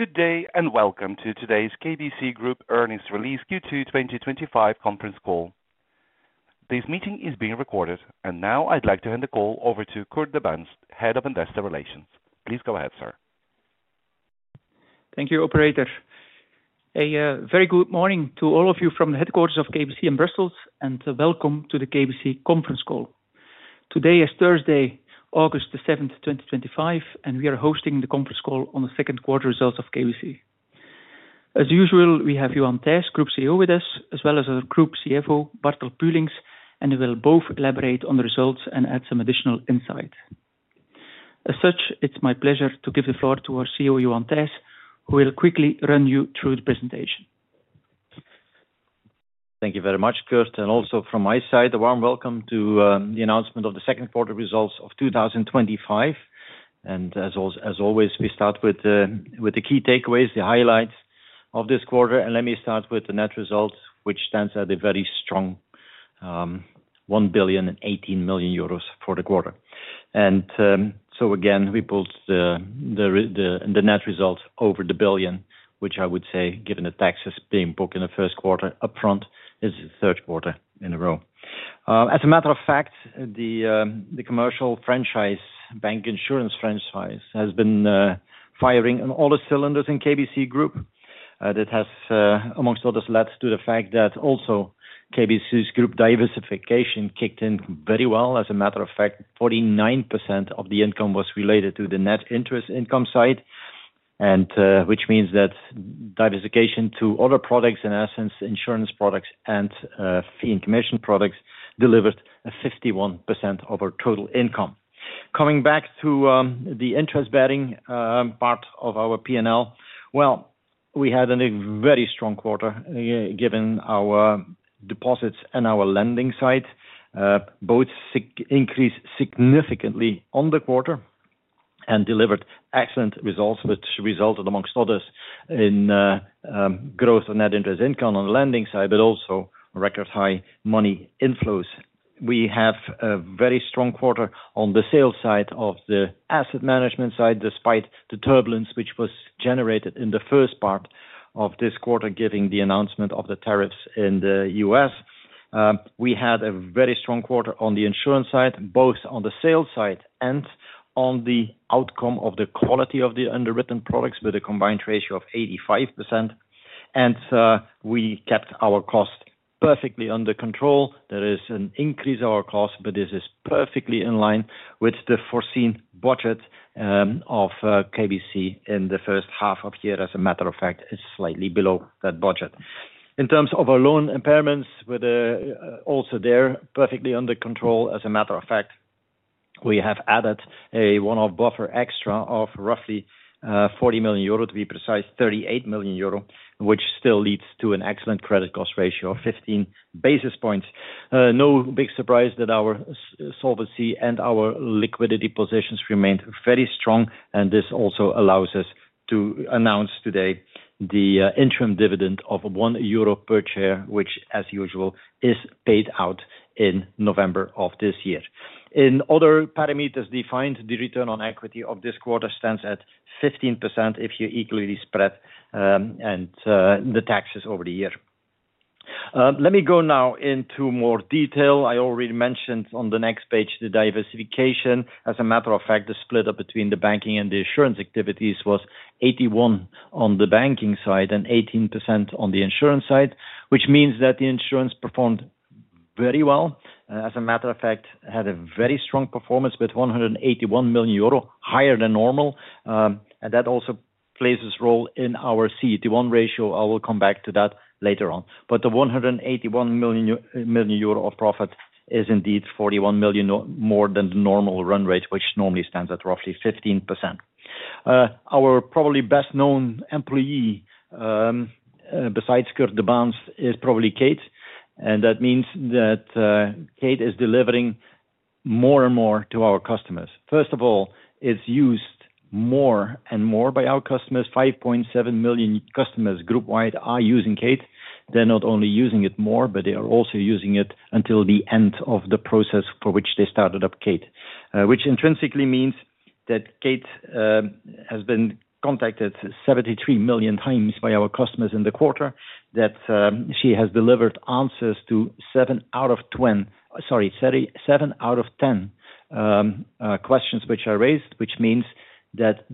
Good day and welcome to today's KBC Group earnings release Q2 2025 conference call. This meeting is being recorded, and now I'd like to hand the call over to Kurt De Baenst, Head of Investor Relations. Please go ahead, sir. Thank you, operator. A very good morning to all of you from the headquarters of KBC in Brussels, and welcome to the KBC conference call. Today is Thursday, August 7, 2025, and we are hosting the conference call on the second quarter results of KBC. As usual, we have Johan Thijs, Group CEO, with us, as well as our Group CFO, Bartel Puelinckx, and they will both elaborate on the results and add some additional insights. As such, it's my pleasure to give the floor to our CEO, Johan Thijs, who will quickly run you through the presentation. Thank you very much, Kurt, and also from my side, a warm welcome to the announcement of the second quarter results of 2025. As always, we start with the key takeaways, the highlights of this quarter, and let me start with the net result, which stands at a very strong 1.18 billion for the quarter. Again, we pulled the net result over the billion, which I would say, given the taxes being booked in the first quarter upfront, is the third quarter in a row. As a matter of fact, the commercial franchise, bank insurance franchise, has been firing on all cylinders in KBC Group. That has, amongst others, led to the fact that also KBC's group diversification kicked in very well. As a matter of fact, 49% of the income was related to the net interest income side, which means that diversification to other products, in essence, insurance products and fee and commission products, delivered 51% of our total income. Coming back to the interest batting part of our P&L, we had a very strong quarter given our deposits and our lending side. Both increased significantly on the quarter and delivered excellent results, which resulted, amongst others, in growth on net interest income on the lending side, but also record high money inflows. We have a very strong quarter on the sales side of the asset management side, despite the turbulence which was generated in the first part of this quarter, given the announcement of the tariffs in the U.S. We had a very strong quarter on the insurance side, both on the sales side and on the outcome of the quality of the underwritten products, with a combined ratio of 85%. We kept our cost perfectly under control. That is, we increased our costs, but this is perfectly in line with the foreseen budget of KBC in the first half of the year. As a matter of fact, it's slightly below that budget. In terms of our loan impairments, also there perfectly under control. As a matter of fact, we have added a one-off buffer extra of roughly 40 million euro, to be precise, 38 million euro, which still leads to an excellent credit cost ratio of 15 basis points. No big surprise that our solvency and our liquidity positions remained very strong, and this also allows us to announce today the interim dividend of 1 euro per share, which, as usual, is paid out in November of this year. In other parameters defined, the return on equity of this quarter stands at 15% if you equally spread the taxes over the year. Let me go now into more detail. I already mentioned on the next page the diversification. As a matter of fact, the split up between the banking and the insurance activities was 81% on the banking side and 18% on the insurance side, which means that the insurance performed very well. As a matter of fact, it had a very strong performance with 181 million euro higher than normal. That also plays its role in our CET1 ratio. I will come back to that later on. The 181 million of profit is indeed 41 million more than the normal run rate, which normally stands at roughly 15%. Our probably best-known employee, besides Kurt De Baenst, is probably Kate, and that means that Kate is delivering more and more to our customers. First of all, it's used more and more by our customers. 5.7 million customers group-wide are using Kate. They're not only using it more, but they are also using it until the end of the process for which they started up Kate, which intrinsically means that Kate has been contacted 73x million by our customers in the quarter, that she has delivered answers to seven out of 10, sorry, seven out of 10 questions which are raised, which means that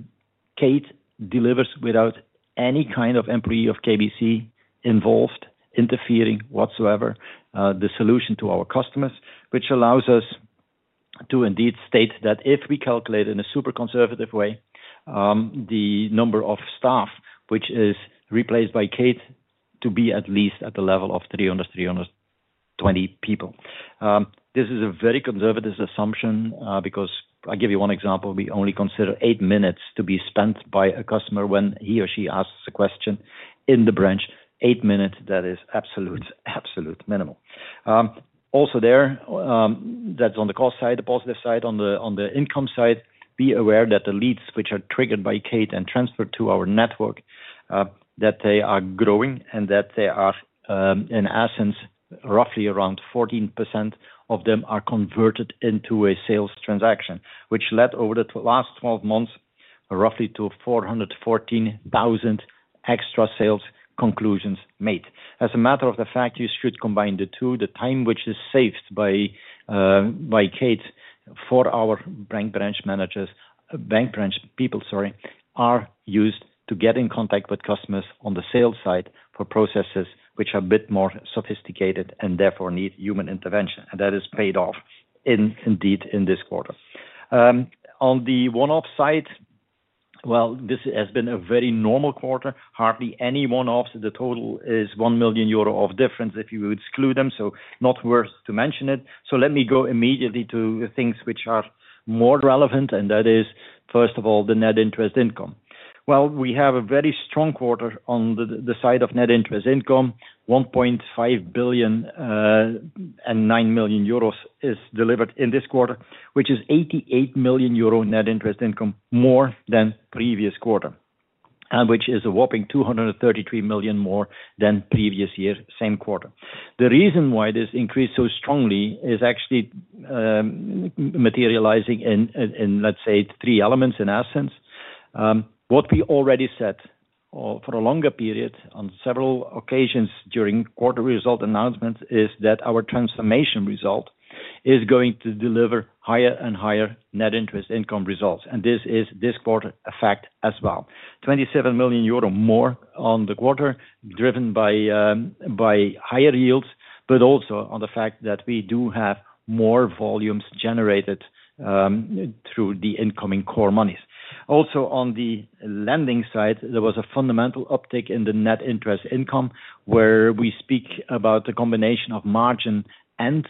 Kate delivers without any kind of employee of KBC involved interfering whatsoever. The solution to our customers, which allows us to indeed state that if we calculate in a super conservative way, the number of staff which is replaced by Kate to be at least at the level of 300, 320 people. This is a very conservative assumption because I'll give you one example. We only consider eight minutes to be spent by a customer when he or she asks a question in the branch. Eight minutes, that is absolute, absolute minimum. Also there, that's on the cost side, the positive side. On the income side, be aware that the leads which are triggered by Kate and transferred to our network, that they are growing and that they are, in essence, roughly around 14% of them are converted into a sales transaction, which led over the last 12 months roughly to 414,000 extra sales conclusions made. As a matter of the fact, you should combine the two. The time which is saved by Kate for our bank branch managers, bank branch people, sorry, are used to get in contact with customers on the sales side for processes which are a bit more sophisticated and therefore need human intervention. That is paid off indeed in this quarter. On the one-off side, this has been a very normal quarter. Hardly any one-offs. The total is 1 million euro of difference if you exclude them. Not worth to mention it. Let me go immediately to the things which are more relevant, and that is, first of all, the net interest income. We have a very strong quarter on the side of net interest income. 1.5 billion and 9 million euros is delivered in this quarter, which is 88 million euro net interest income more than previous quarter, and which is a whopping 233 million more than previous year, same quarter. The reason why this increased so strongly is actually materializing in, let's say, three elements, in essence. What we already said for a longer period on several occasions during quarter result announcements is that our transformation result is going to deliver higher and higher net interest income results. This is this quarter's effect as well. 27 million euro more on the quarter driven by higher yields, but also on the fact that we do have more volumes generated through the incoming core monies. Also on the lending side, there was a fundamental uptick in the net interest income where we speak about the combination of margin and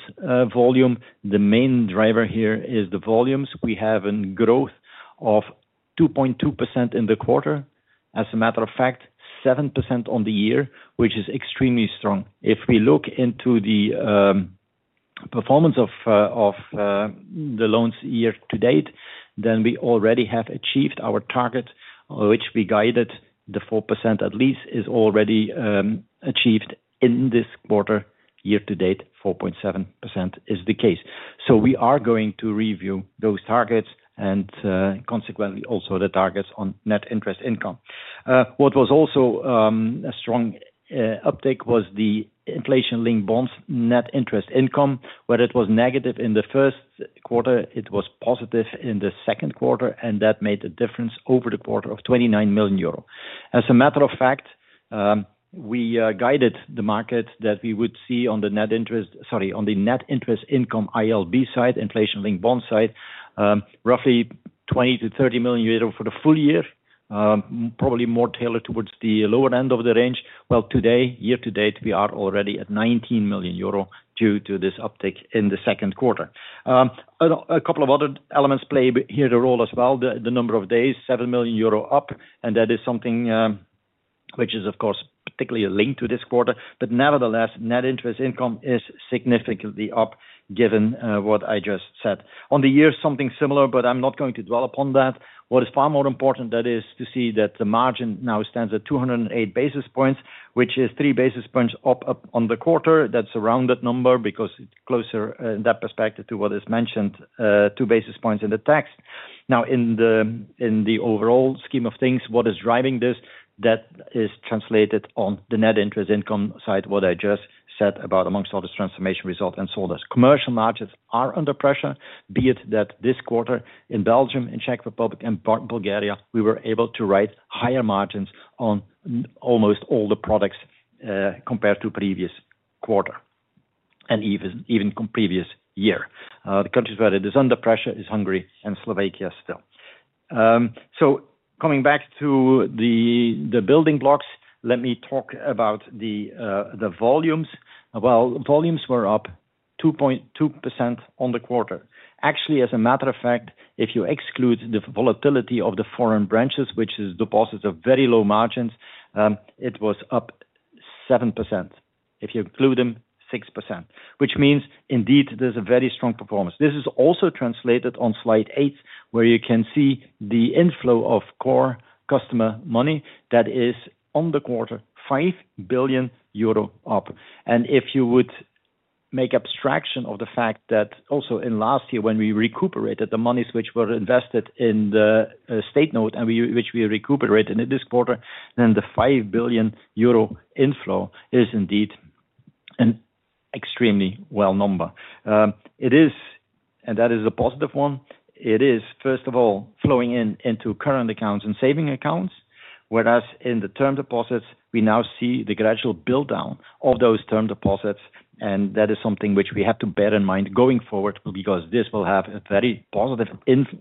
volume. The main driver here is the volumes. We have a growth of 2.2% in the quarter. As a matter of fact, 7% on the year, which is extremely strong. If we look into the performance of the loans year-to-date, then we already have achieved our target, which we guided the 4% at least is already achieved in this quarter year-to-date. 4.7% is the case. We are going to review those targets and consequently also the targets on net interest income. What was also a strong uptick was the inflation-linked bonds net interest income. Where it was negative in the first quarter, it was positive in the second quarter, and that made a difference over the quarter of 29 million euro. As a matter of fact, we guided the market that we would see on the net interest income ILB side, inflation-linked bonds side, roughly 20-30 million euro for the full year, probably more tailored towards the lower end of the range. Today, year-to-date, we are already at 19 million euro due to this uptick in the second quarter. A couple of other elements play here the role as well. The number of days, 7 million euro up, and that is something which is, of course, particularly linked to this quarter. Nevertheless, net interest income is significantly up given what I just said. On the year, something similar, but I'm not going to dwell upon that. What is far more important is to see that the margin now stands at 208 basis points, which is 3 basis points up on the quarter. That's a rounded number because it's closer in that perspective to what is mentioned, 2 basis points in the text. Now, in the overall scheme of things, what is driving this is translated on the net interest income side, what I just said about amongst all this transformation result and shoulders. Commercial margins are under pressure, be it that this quarter in Belgium, in Czech Republic, and Bulgaria, we were able to write higher margins on almost all the products compared to the previous quarter and even the previous year. The countries where it is under pressure are Hungary and Slovakia still. Coming back to the building blocks, let me talk about the volumes. Volumes were up 2.2% on the quarter. Actually, as a matter of fact, if you exclude the volatility of the foreign branches, which is deposits of very low margins, it was up 7%. If you include them, 6%, which means indeed there's a very strong performance. This is also translated on slide eight, where you can see the inflow of core customer money that is on the quarter, 5 billion euro up. If you would make abstraction of the fact that also in last year, when we recuperated the monies which were invested in the state note, which we recuperated in this quarter, then the 5 billion euro inflow is indeed an extremely well number. It is, and that is a positive one. It is, first of all, flowing in into current accounts and saving accounts, whereas in the term deposits, we now see the gradual build-down of those term deposits. That is something which we have to bear in mind going forward because this will have a very positive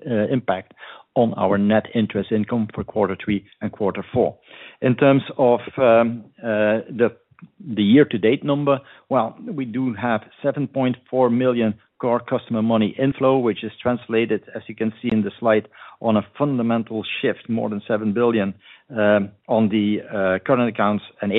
impact on our net interest income for quarter three and quarter four. In terms of the year-to-date number, we do have 7.4 billion core customer money inflow, which is translated, as you can see in the slide, on a fundamental shift, more than 7 billion on the current accounts and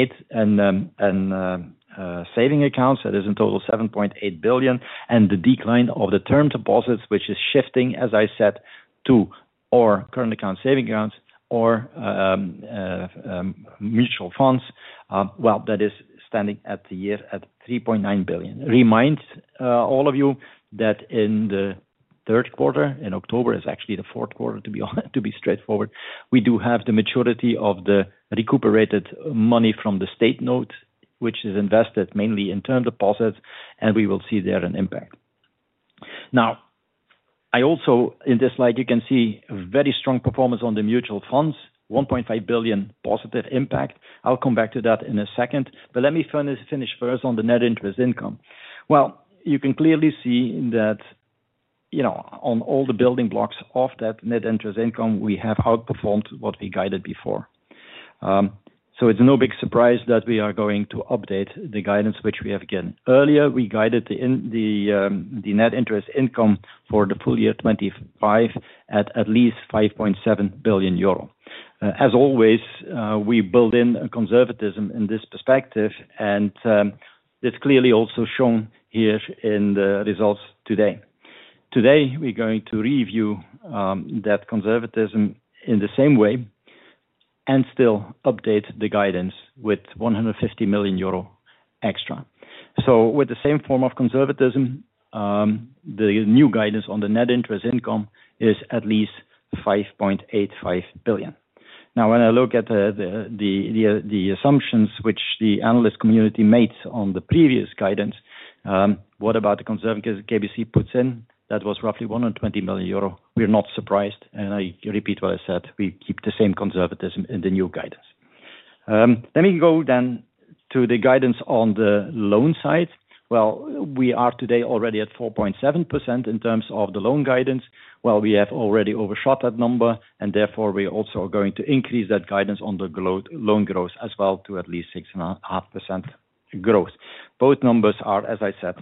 saving accounts. That is in total 7.8 billion. The decline of the term deposits, which is shifting, as I said, to current accounts, saving accounts, or mutual funds, is standing at the year at 3.9 billion. Remind all of you that in the third quarter, in October, which is actually the fourth quarter, to be straightforward, we do have the maturity of the recuperated money from the state note, which is invested mainly in term deposits, and we will see there an impact. Now, I also, in this slide, you can see a very strong performance on the mutual funds, 1.5 billion positive impact. I'll come back to that in a second. Let me finish first on the net interest income. You can clearly see that, on all the building blocks of that net interest income, we have outperformed what we guided before. It's no big surprise that we are going to update the guidance, which we have again earlier. We guided the net interest income for the full year 2025 at at least 5.7 billion euro. As always, we build in conservatism in this perspective, and it's clearly also shown here in the results today. Today, we're going to review that conservatism in the same way and still update the guidance with 150 million euro extra. With the same form of conservatism, the new guidance on the net interest income is at least 5.85 billion. When I look at the assumptions which the analyst community made on the previous guidance, what about the conservatism KBC puts in? That was roughly 120 million euro. We're not surprised, and I repeat what I said. We keep the same conservatism in the new guidance. Let me go then to the guidance on the loan side. We are today already at 4.7% in terms of the loan guidance. We have already overshot that number, and therefore, we also are going to increase that guidance on the loan growth as well to at least 6.5% growth. Both numbers are, as I said,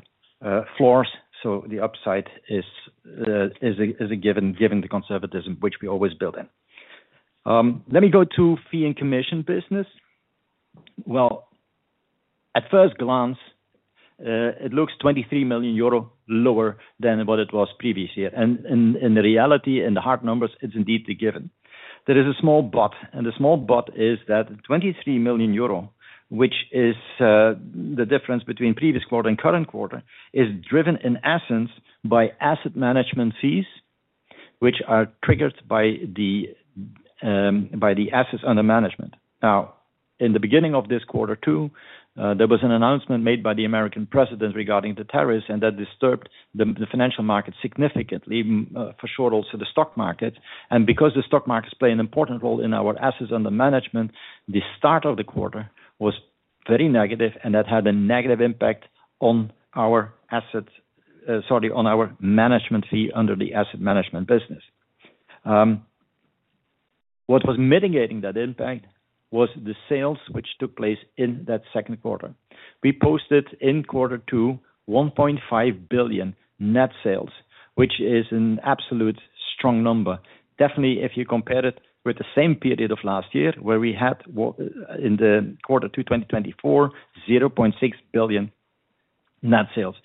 floors. The upside is a given given the conservatism which we always build in. Let me go to fee and commission business. At first glance, it looks 23 million euro lower than what it was previous year. In reality, in the hard numbers, it's indeed the given. There is a small but, and the small but is that 23 million euro, which is the difference between previous quarter and current quarter, is driven in essence by asset management fees, which are triggered by the assets under management. In the beginning of this quarter too, there was an announcement made by the American president regarding the tariffs, and that disturbed the financial markets significantly, for sure, also the stock markets. Because the stock markets play an important role in our assets under management, the start of the quarter was very negative, and that had a negative impact on our assets, sorry, on our management fee under the asset management business. What was mitigating that impact was the sales which took place in that second quarter. We posted in quarter two 1.5 billion net sales, which is an absolute strong number. Definitely, if you compare it with the same period of last year, where we had in quarter two 2023, 0.6 billion net sales.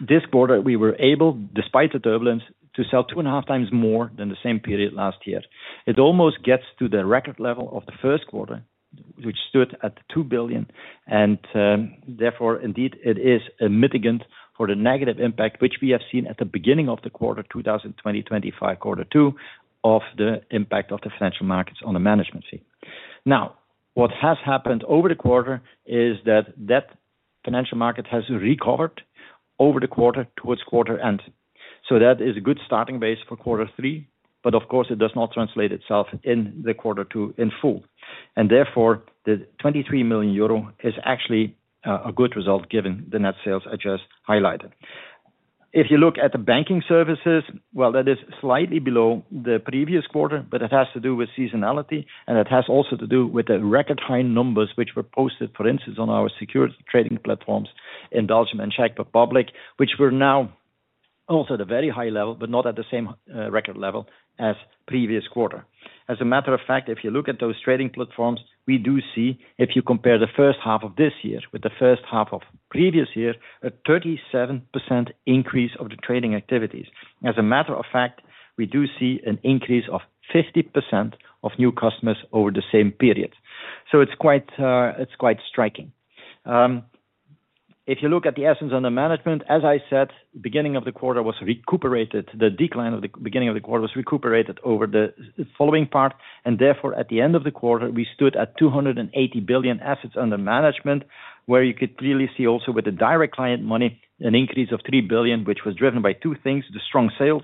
This quarter, we were able, despite the turbulence, to sell 2.5x more than the same period last year. It almost gets to the record level of the first quarter, which stood at 2 billion. Therefore, indeed, it is a mitigant for the negative impact, which we have seen at the beginning of 2025 quarter two, of the impact of the financial markets on the management fee. Now, what has happened over the quarter is that the financial market has recovered over the quarter towards quarter end. That is a good starting base for quarter three, but of course, it does not translate itself in quarter two in full. Therefore, the 23 million euro is actually a good result given the net sales I just highlighted. If you look at the banking services, that is slightly below the previous quarter, but it has to do with seasonality, and it has also to do with the record high numbers which were posted, for instance, on our secured trading platforms in Belgium and Czech Republic, which were now also at a very high level, but not at the same record level as previous quarter. As a matter of fact, if you look at those trading platforms, we do see, if you compare the first half of this year with the first half of previous year, a 37% increase of the trading activities. As a matter of fact, we do see an increase of 50% of new customers over the same period. It's quite striking. If you look at the assets under management, as I said, the beginning of the quarter was recuperated. The decline of the beginning of the quarter was recuperated over the following part. Therefore, at the end of the quarter, we stood at 280 billion assets under management, where you could clearly see also with the direct client money, an increase of 3 billion, which was driven by two things, the strong sales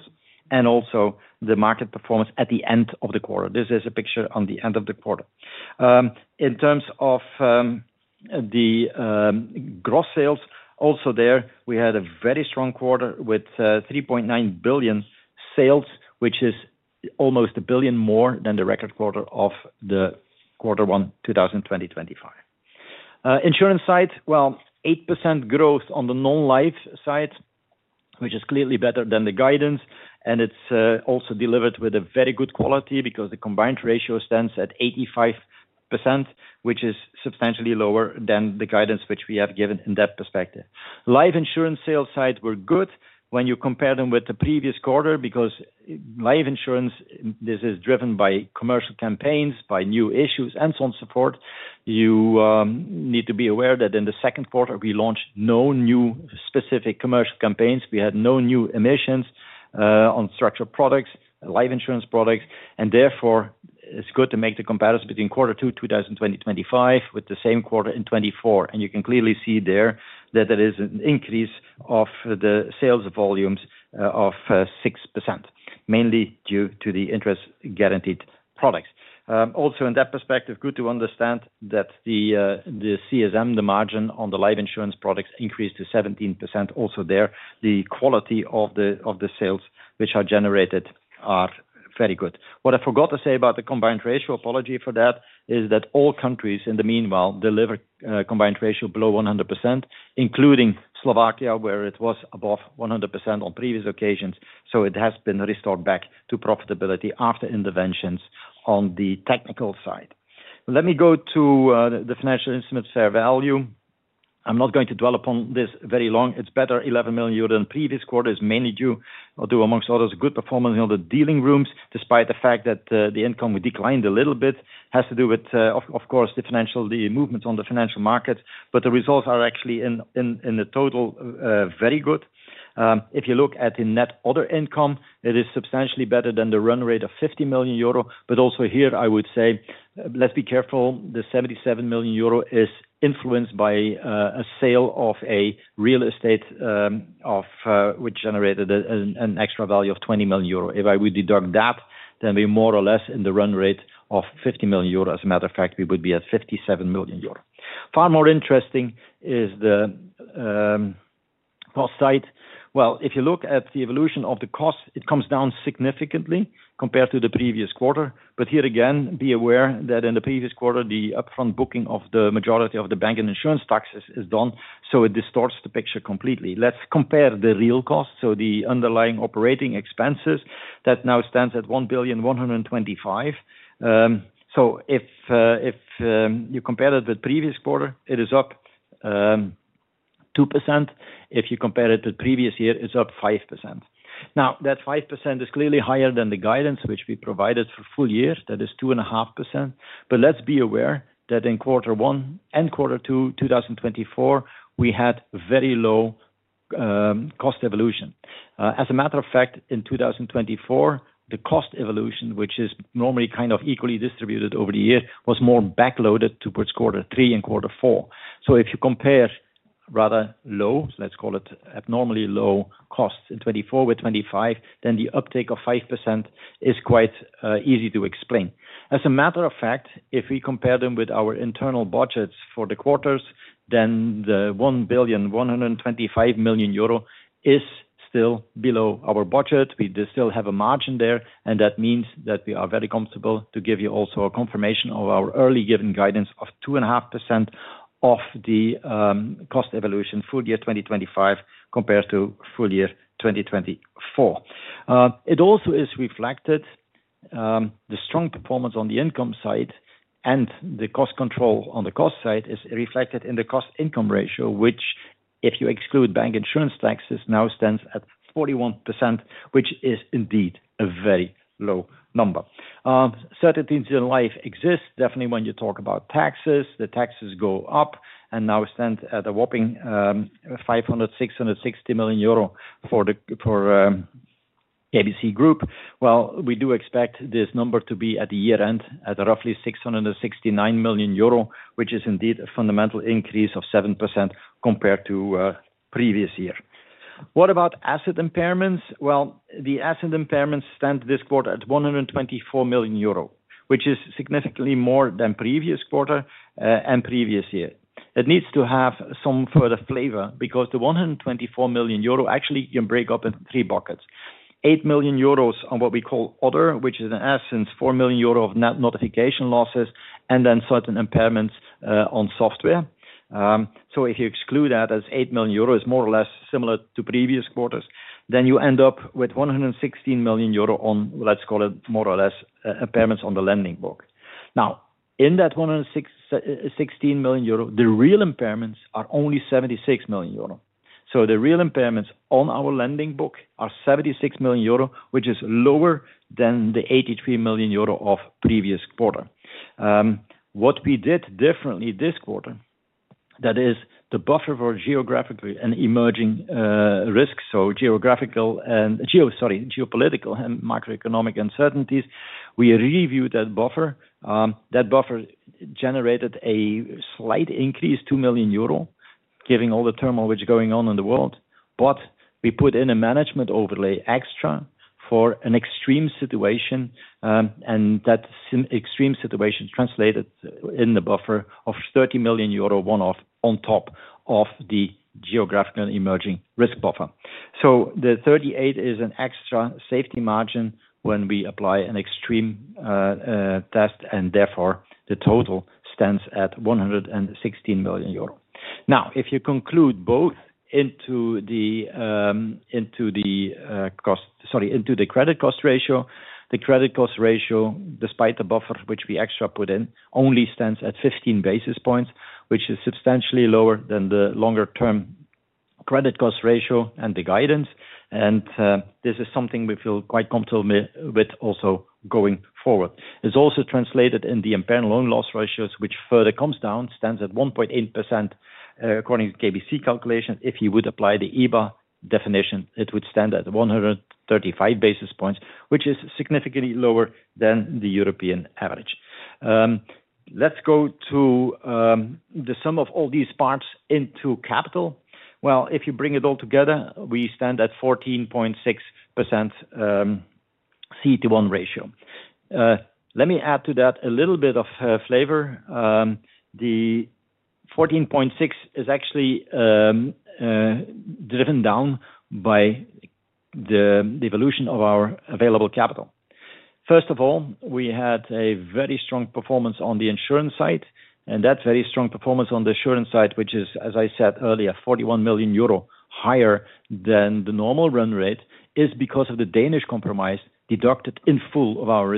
and also the market performance at the end of the quarter. This is a picture on the end of the quarter. In terms of the gross sales, also there, we had a very strong quarter with 3.9 billion sales, which is almost 1 billion more than the record quarter of the quarter one, 2025. Insurance side, 8% growth on the non-life side, which is clearly better than the guidance. It's also delivered with a very good quality because the combined ratio stands at 85%, which is substantially lower than the guidance which we have given in that perspective. Life insurance sales sites were good when you compare them with the previous quarter because life insurance, this is driven by commercial campaigns, by new issues, and so on and so forth. You need to be aware that in the second quarter, we launched no new specific commercial campaigns. We had no new emissions on structured products, life insurance products. Therefore, it's good to make the comparison between quarter two 2025, with the same quarter in 2024. You can clearly see there that there is an increase of the sales volumes of 6%, mainly due to the interest guaranteed products. Also in that perspective, good to understand that the CSM, the margin on the life insurance products, increased to 17%. Also there, the quality of the sales which are generated are very good. What I forgot to say about the combined ratio, apology for that, is that all countries in the meanwhile delivered a combined ratio below 100%, including Slovakia, where it was above 100% on previous occasions. It has been restored back to profitability after interventions on the technical side. Let me go to the financial instrument fair value. I'm not going to dwell upon this very long. It's better 11 million euro than previous quarters, mainly due to, amongst others, good performance in the dealing rooms, despite the fact that the income declined a little bit. It has to do with, of course, the financial movements on the financial market. The results are actually in the total very good. If you look at the net other income, it is substantially better than the run rate of 50 million euro. I would say, let's be careful, the 77 million euro is influenced by a sale of a real estate which generated an extra value of 20 million euro. If I would deduct that, then we're more or less in the run rate of 50 million euro. As a matter of fact, we would be at 57 million euro. Far more interesting is the cost side. If you look at the evolution of the cost, it comes down significantly compared to the previous quarter. Here again, be aware that in the previous quarter, the upfront booking of the majority of the bank and insurance taxes is done. It distorts the picture completely. Let's compare the real cost. The underlying operating expenses now stand at 1,125 million. If you compare it with the previous quarter, it is up 2%. If you compare it with the previous year, it's up 5%. That 5% is clearly higher than the guidance which we provided for the full year, which is 2.5%. Be aware that in quarter one and quarter two, 2024, we had very low cost evolution. As a matter of fact, in 2024, the cost evolution, which is normally kind of equally distributed over the year, was more backloaded towards quarter three and quarter four. If you compare rather low, let's call it abnormally low costs in 2024 with 2025, then the uptake of 5% is quite easy to explain. As a matter of fact, if we compare them with our internal budgets for the quarters, then the 1,125 million euro is still below our budget. We still have a margin there, and that means that we are very comfortable to give you also a confirmation of our early given guidance of 2.5% of the cost evolution full year 2025 compared to full year 2024. It also is reflected in the strong performance on the income side, and the cost control on the cost side is reflected in the cost-income ratio, which if you exclude bank insurance taxes now stands at 41%, which is indeed a very low number. Certain things in life exist. Definitely when you talk about taxes, the taxes go up and now stand at a whopping 660 million euro for the KBC Group. We do expect this number to be at the year end at roughly 669 million euro, which is indeed a fundamental increase of 7% compared to the previous year. What about asset impairments? The asset impairments stand this quarter at 124 million euro, which is significantly more than previous quarter and previous year. It needs to have some further flavor because the 124 million euro actually can break up into three buckets. 8 million euros on what we call other, which is in essence 4 million euro of net notification losses, and then certain impairments on software. If you exclude that as 8 million euros, it's more or less similar to previous quarters, then you end up with 116 million euro on, let's call it more or less impairments on the lending book. In that 116 million euro, the real impairments are only 76 million euro. The real impairments on our lending book are 76 million euro, which is lower than the 83 million euro of previous quarter. What we did differently this quarter is the buffer for geographically emerging risks, so geographical and geopolitical and macroeconomic uncertainties, we reviewed that buffer. That buffer generated a slight increase, 2 million euro, given all the turmoil which is going on in the world. We put in a management overlay extra for an extreme situation, and that extreme situation translated in the buffer of 30 million euro one-off on top of the geographically emerging risk buffer. The 38 million is an extra safety margin when we apply an extreme test, and therefore the total stands at 116 million euro. If you conclude both into the credit cost ratio, the credit cost ratio, despite the buffer which we extra put in, only stands at 15 basis points, which is substantially lower than the longer-term credit cost ratio and the guidance. This is something we feel quite comfortable with also going forward. It's also translated in the impaired loan loss ratios, which further comes down, stands at 1.8% according to KBC calculations. If you would apply the EBITDA definition, it would stand at 135 basis points, which is significantly lower than the European average. Let's go to the sum of all these parts into capital. If you bring it all together, we stand at 14.6% CET1 ratio. Let me add to that a little bit of flavor. The 14.6% is actually driven down by the evolution of our available capital. First of all, we had a very strong performance on the insurance side, and that very strong performance on the insurance side, which is, as I said earlier, 41 million euro higher than the normal run rate, is because of the Danish compromise deducted in full of our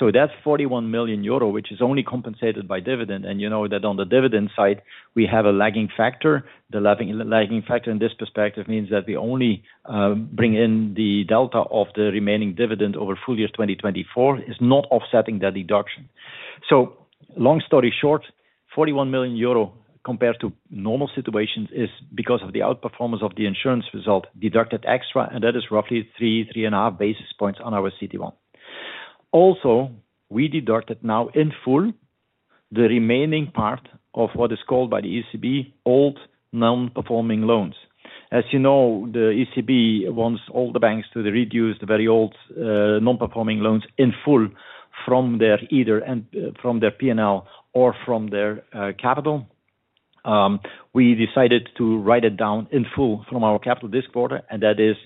result. That's 41 million euro, which is only compensated by dividend. You know that on the dividend side, we have a lagging factor. The lagging factor in this perspective means that we only bring in the delta of the remaining dividend over full year 2024. It's not offsetting that deduction. Long story short, 41 million euro compared to normal situations is because of the outperformance of the insurance result deducted extra, and that is roughly 3, 3.5 basis points on our CET1. Also, we deducted now in full the remaining part of what is called by the ECB old non-performing loans. As you know, the ECB wants all the banks to reduce the very old non-performing loans in full from either their P&L or from their capital. We decided to write it down in full from our capital this quarter, and that is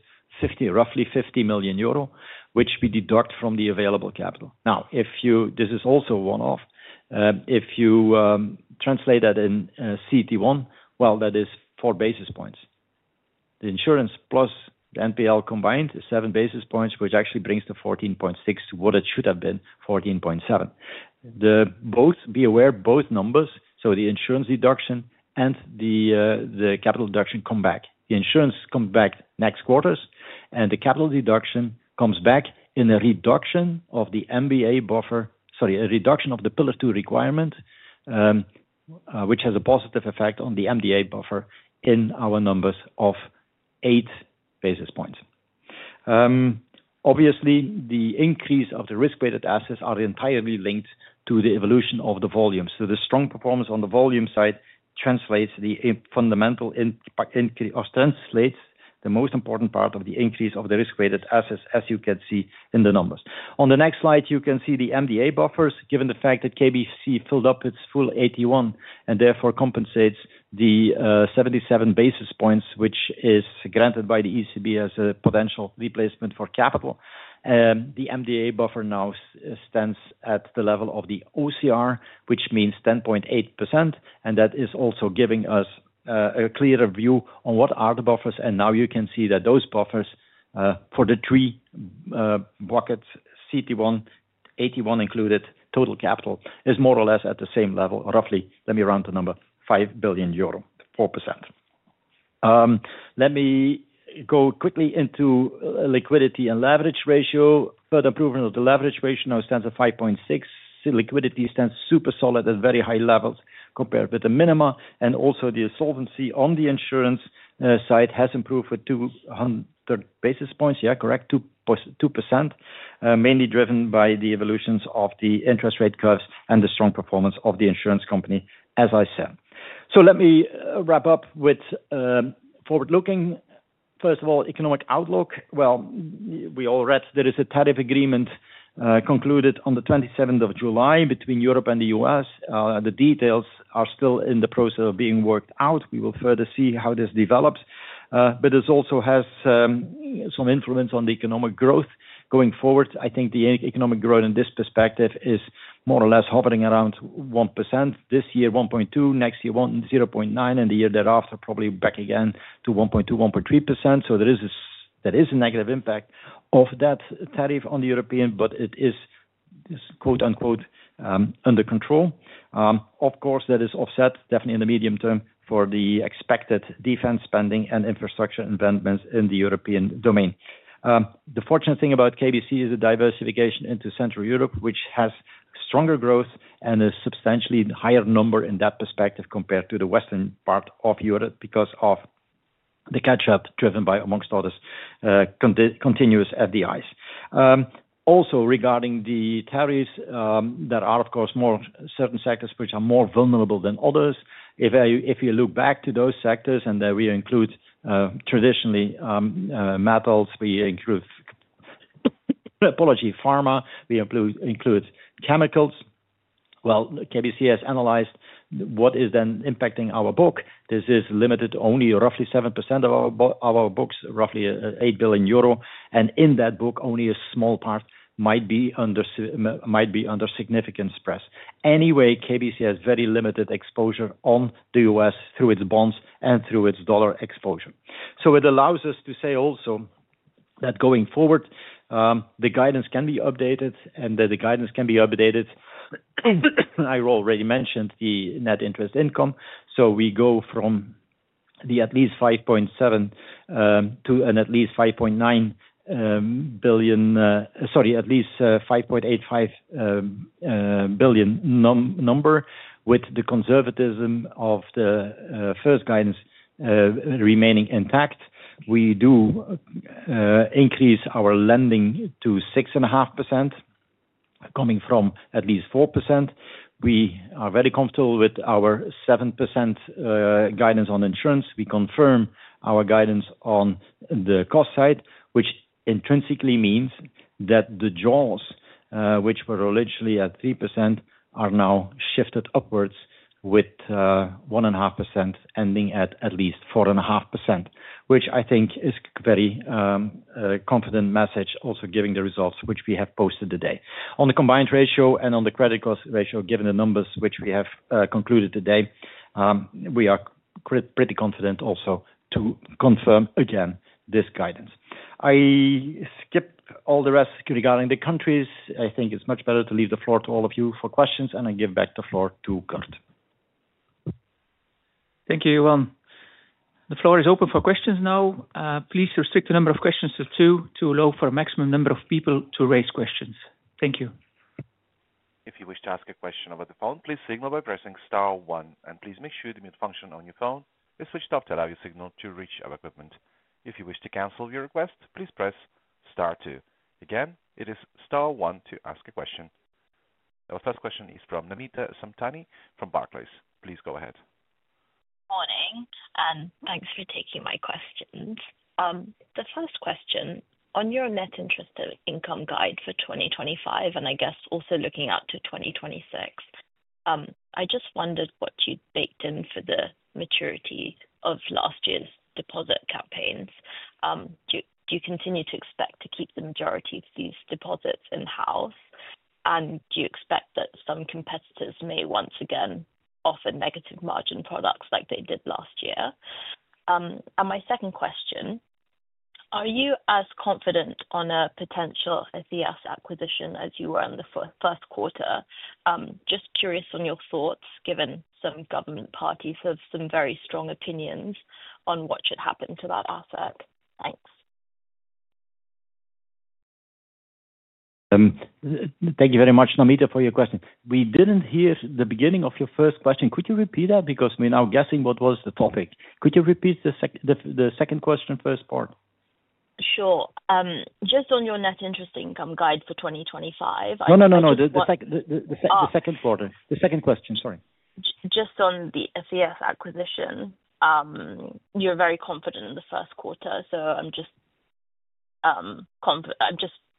roughly 50 million euro, which we deduct from the available capital. Now, this is also one-off. If you translate that in CET1, that is 4 basis points. The insurance plus the NPL combined is 7 basis points, which actually brings the 14.6% to what it should have been, 14.7%. Be aware, both numbers, so the insurance deduction and the capital deduction, come back. The insurance comes back next quarters, and the capital deduction comes back in a reduction of the MBA buffer, sorry, a reduction of the pillar two requirement, which has a positive effect on the MBA buffer in our numbers of 8 basis points. Obviously, the increase of the risk-weighted assets is entirely linked to the evolution of the volumes. The strong performance on the volume side translates the fundamental increase or translates the most important part of the increase of the risk-weighted assets, as you can see in the numbers. On the next slide, you can see the MBA buffers, given the fact that KBC filled up its full 81% and therefore compensates the 77 basis points, which is granted by the ECB as a potential replacement for capital. The MBA buffer now stands at the level of the OCR, which means 10.8%, and that is also giving us a clearer view on what are the buffers. Now you can see that those buffers for the three buckets, CET1, 81% included, total capital is more or less at the same level, roughly, let me round the number, 5 billion euro, 4%. Let me go quickly into liquidity and leverage ratio. Further improvement of the leverage ratio now stands at 5.6%. Liquidity stands super solid at very high levels compared with the minima, and also the solvency on the insurance side has improved with 200 basis points. Yeah, correct, 2%, mainly driven by the evolutions of the interest rate curves and the strong performance of the insurance company, as I said. Let me wrap up with forward-looking. First of all, economic outlook. There is a tariff agreement concluded on the 27th of July between Europe and the U.S. The details are still in the process of being worked out. We will further see how this develops, but this also has some influence on the economic growth going forward. I think the economic growth in this perspective is more or less hovering around 1% this year, 1.2% next year, 0.9%, and the year thereafter probably back again to 1.2%, 1.3%. There is a negative impact of that tariff on the European, but it is, quote unquote, "under control." Of course, that is offset definitely in the medium term for the expected defense spending and infrastructure investments in the European domain. The fortunate thing about KBC Group is the diversification into Central Europe, which has stronger growth and a substantially higher number in that perspective compared to the western part of Europe because of the catch-up driven by, amongst others, continuous FDIs. Also regarding the tariffs, there are, of course, certain sectors which are more vulnerable than others. If you look back to those sectors, and we include traditionally metals, we include, apology, pharma, we include chemicals. KBC Group has analyzed what is then impacting our book. This is limited only to roughly 7% of our books, roughly 8 billion euro. In that book, only a small part might be under significant stress. KBC Group has very limited exposure on the U.S. through its bonds and through its dollar exposure. It allows us to say also that going forward, the guidance can be updated and that the guidance can be updated. I already mentioned the net interest income. We go from at least 5.7 billion to at least 5.9 billion, sorry, at least 5.85 billion number with the conservatism of the first guidance remaining intact. We do increase our lending to 6.5%, coming from at least 4%. We are very comfortable with our 7% guidance on insurance. We confirm our guidance on the cost side, which intrinsically means that the draws, which were originally at 3%, are now shifted upwards with 1.5%, ending at at least 4.5%, which I think is a very confident message, also given the results which we have posted today. On the combined ratio and on the credit cost ratio, given the numbers which we have concluded today, we are pretty confident also to confirm again this guidance. I skipped all the rest regarding the countries. I think it's much better to leave the floor to all of you for questions, and I give back the floor to Kurt. Thank you, Johan. The floor is open for questions now. Please restrict the number of questions to two to allow for a maximum number of people to raise questions. Thank you. If you wish to ask a question over the phone, please signal by pressing Star one, and please make sure the mute function on your phone is switched off to allow your signal to reach our equipment. If you wish to cancel your request, please press Star two. Again, it is star one to ask a question. Our first question is from Namita Samtani from Barclays. Please go ahead. Morning, and thanks for taking my questions. The first question, on your net interest income guide for 2025, and I guess also looking out to 2026, I just wondered what you'd baked in for the maturity of last year's deposit campaigns. Do you continue to expect to keep the majority of these deposits in-house, and do you expect that some competitors may once again offer negative margin products like they did last year? My second question, are you as confident on a potential Ethias acquisition as you were in the first quarter? Just curious on your thoughts, given some government parties have some very strong opinions on what should happen to that asset. Thanks. Thank you very much, Namita, for your question. We didn't hear the beginning of your first question. Could you repeat that? Because we're now guessing what was the topic. Could you repeat the second question, first part? Sure. Just on your net interest income guide for 2025. No, the second question, sorry. Just on the Ethias acquisition, you're very confident in the first quarter. I'm just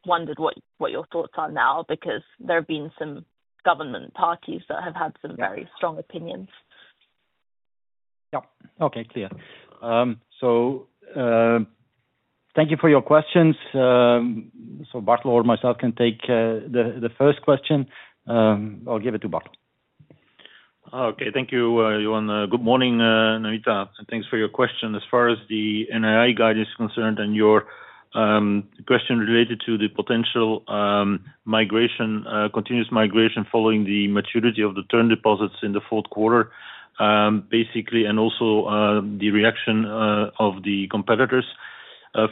wondering what your thoughts are now because there have been some government parties that have had some very strong opinions. Okay, clear. Thank you for your questions. Bartel or myself can take the first question. I'll give it to Bartel. Okay, thank you, Johan. Good morning, Namita. Thanks for your question. As far as the NAI guide is concerned and your question related to the potential continuous migration following the maturity of the term deposits in the fourth quarter, basically, and also the reaction of the competitors.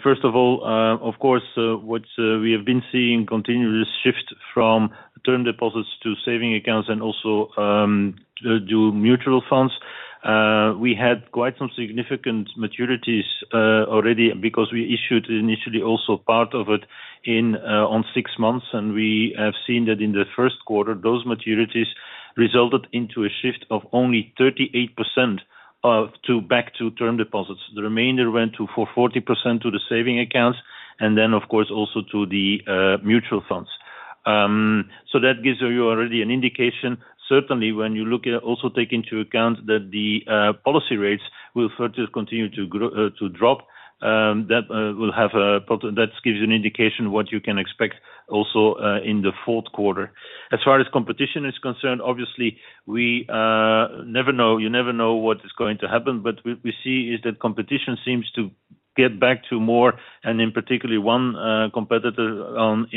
First of all, of course, what we have been seeing is a continuous shift from term deposits to saving accounts and also to mutual funds. We had quite some significant maturities already because we issued initially also part of it on six months. We have seen that in the first quarter, those maturities resulted in a shift of only 38% back to term deposits. The remainder went to 40% to the saving accounts and then, of course, also to the mutual funds. That gives you already an indication. Certainly, when you look at also taking into account that the policy rates will further continue to drop, that gives you an indication of what you can expect also in the fourth quarter. As far as competition is concerned, obviously, we never know. You never know what is going to happen. What we see is that competition seems to get back to more, and in particular, one competitor on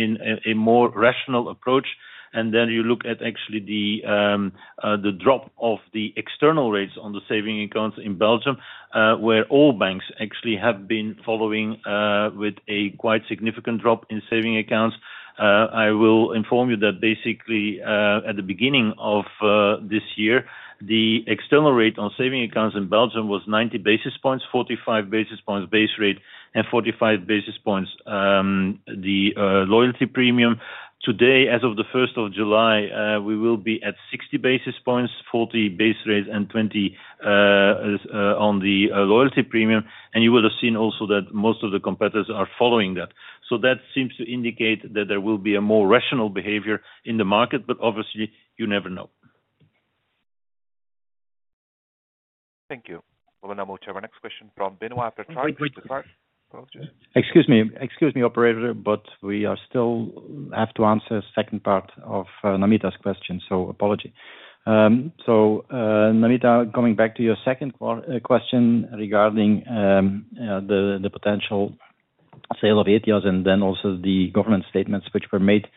a more rational approach. You look at actually the drop of the external rates on the saving accounts in Belgium, where all banks actually have been following with a quite significant drop in saving accounts. I will inform you that basically at the beginning of this year, the external rate on saving accounts in Belgium was 90 basis points, 45 basis points base rate, and 45 basis points the loyalty premium. Today, as of the 1st of July, we will be at 60 basis points, 40 base rate, and 20 on the loyalty premium. You will have seen also that most of the competitors are following that. That seems to indicate that there will be a more rational behavior in the market, but obviously, you never know. Thank you. We'll now move to our next question from Benoit Petrar. Excuse me, excuse me, operator, but we still have to answer the second part of Namita's question, so apology. Namita, coming back to your second question regarding the potential sale of ETFs and also the government statements which were made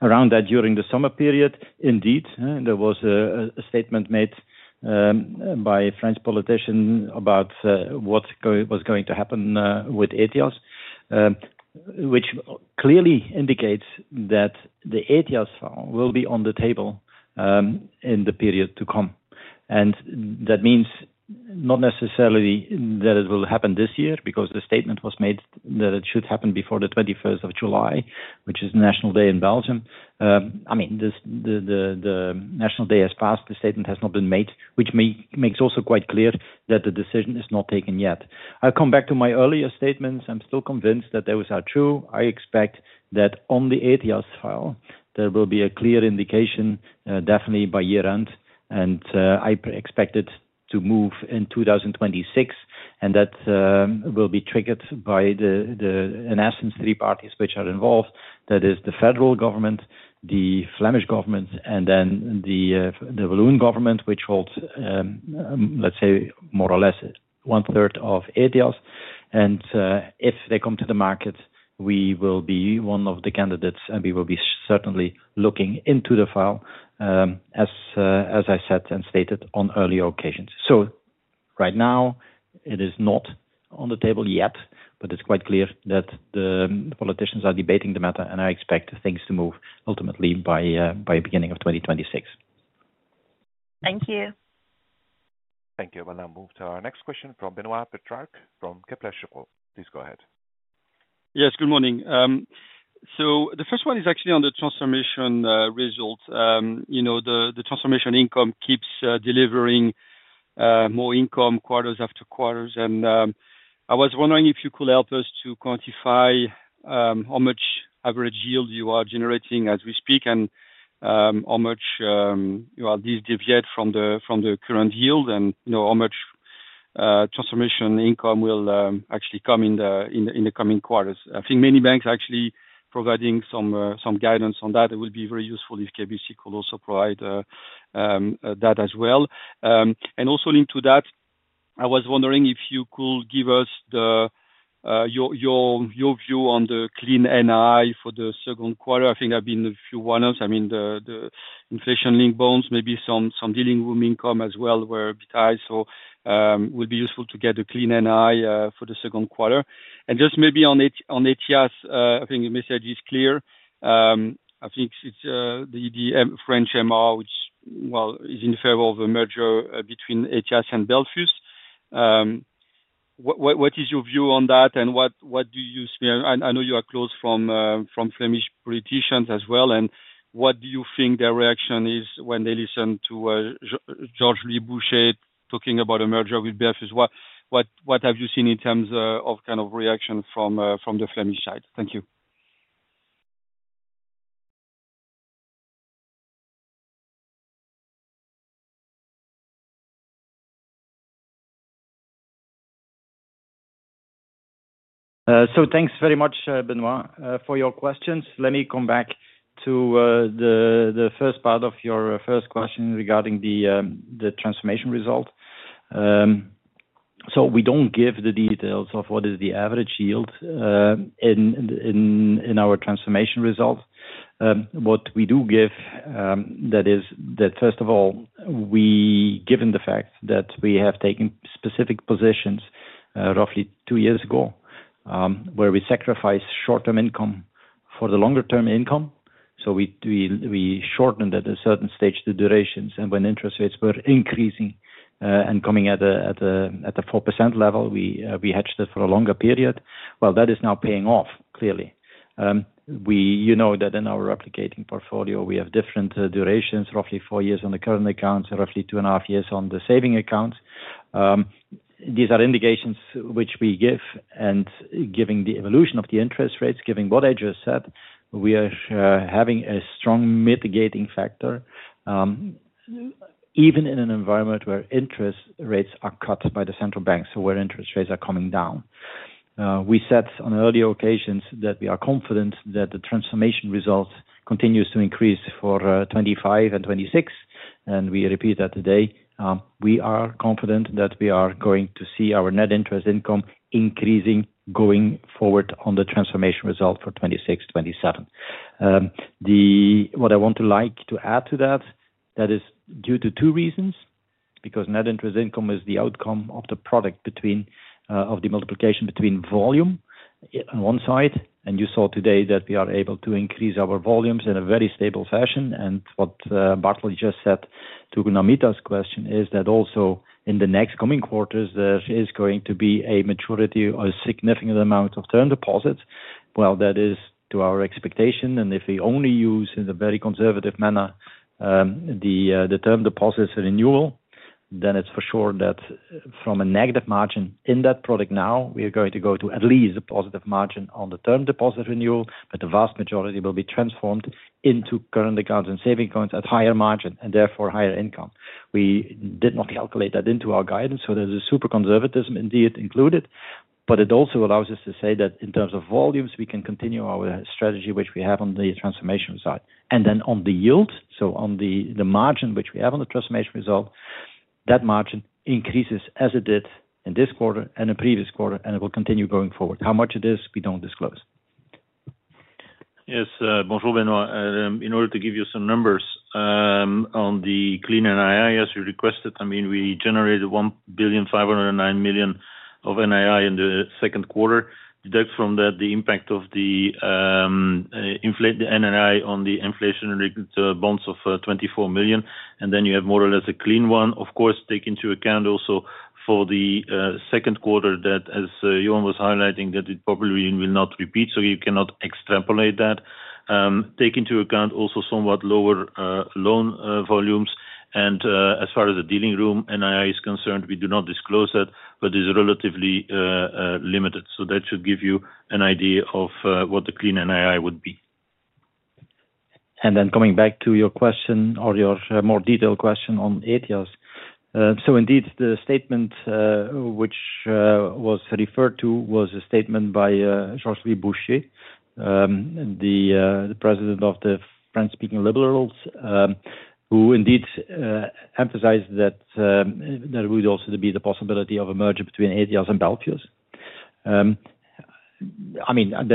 around that during the summer period. Indeed, there was a statement made by a French politician about what was going to happen with ETFs, which clearly indicates that the ETFs will be on the table in the period to come. That means not necessarily that it will happen this year because the statement was made that it should happen before the 21st of July, which is the National Day in Belgium. The National Day has passed. The statement has not been made, which makes also quite clear that the decision is not taken yet. I'll come back to my earlier statements. I'm still convinced that those are true. I expect that on the ETFs file, there will be a clear indication definitely by year end, and I expect it to move in 2026. That will be triggered by, in essence, three parties which are involved. That is the federal government, the Flemish government, and the Walloon government, which holds, let's say, more or less one-third of ETFs. If they come to the market, we will be one of the candidates, and we will be certainly looking into the file, as I said and stated on earlier occasions. Right now, it is not on the table yet, but it's quite clear that the politicians are debating the matter, and I expect things to move ultimately by the beginning of 2026. Thank you. Thank you. We'll now move to our next question from Benoit Petrarque from Kepler Cheuvreux. Please go ahead. Yes, good morning. The first one is actually on the transformation results. The transformation income keeps delivering more income quarters after quarters. I was wondering if you could help us to quantify how much average yield you are generating as we speak and how much these deviate from the current yield and how much transformation income will actually come in the coming quarters. I think many banks are actually providing some guidance on that. It would be very useful if KBC could also provide that as well. Also linked to that, I was wondering if you could give us your view on the clean NAI for the second quarter. I think there have been a few warnings. I mean, the inflation-linked bonds, maybe some dealing room income as well were a bit high. It would be useful to get a clean NAI for the second quarter. Just maybe on Ethias, I think the message is clear. I think it's the French MR, which is in favor of a merger between Ethias and Belfius. What is your view on that and what do you see? I know you are close from Flemish politicians as well. What do you think their reaction is when they listen to Georges-Louis Boucher talking about a merger with Belfius? What have you seen in terms of kind of reaction from the Flemish side? Thank you. Thanks very much, Benoit, for your questions. Let me come back to the first part of your first question regarding the transformation result. We don't give the details of what is the average yield in our transformation result. What we do give is that, first of all, given the fact that we have taken specific positions roughly two years ago where we sacrificed short-term income for the longer-term income, we shortened at a certain stage the durations. When interest rates were increasing and coming at a 4% level, we hedged it for a longer period. That is now paying off clearly. You know that in our replicating portfolio, we have different durations, roughly four years on the current accounts and roughly two and a half years on the saving accounts. These are indications which we give. Given the evolution of the interest rates, given what I just said, we are having a strong mitigating factor even in an environment where interest rates are cut by the central banks, where interest rates are coming down. We said on earlier occasions that we are confident that the transformation result continues to increase for 2025 and 2026. We repeat that today. We are confident that we are going to see our net interest income increasing going forward on the transformation result for 2026, 2027. What I want to add to that is due to two reasons, because net interest income is the outcome of the product between the multiplication between volume on one side. You saw today that we are able to increase our volumes in a very stable fashion. What Bartel just said to Namita's question is that also in the next coming quarters, there is going to be a maturity of a significant amount of term deposits. That is to our expectation. If we only use in a very conservative manner the term deposits renewal, then it's for sure that from a negative margin in that product now, we are going to go to at least a positive margin on the term deposit renewal. The vast majority will be transformed into current accounts and saving accounts at higher margin and therefore higher income. We did not calculate that into our guidance. There is a super conservatism indeed included. It also allows us to say that in terms of volumes, we can continue our strategy, which we have on the transformation side. On the yield, so on the margin which we have on the transformation result, that margin increases as it did in this quarter and the previous quarter, and it will continue going forward. How much it is, we don't disclose. Yes, bonjour Benoit. In order to give you some numbers on the clean NAI, as you requested, we generated 1,509 million of NAI in the second quarter. Deduct from that the impact of the NAI on the inflation-linked bonds of 24 million, and then you have more or less a clean one. Of course, take into account also for the second quarter that, as Johan was highlighting, it probably will not repeat. You cannot extrapolate that. Take into account also somewhat lower loan volumes. As far as the dealing room NAI is concerned, we do not disclose that, but it is relatively limited. That should give you an idea of what the clean NAI would be. Coming back to your question or your more detailed question on Ethias. The statement which was referred to was a statement by Georges-Louis Boucher, the President of the French-speaking liberals, who emphasized that there would also be the possibility of a merger between Ethias and Belfius. That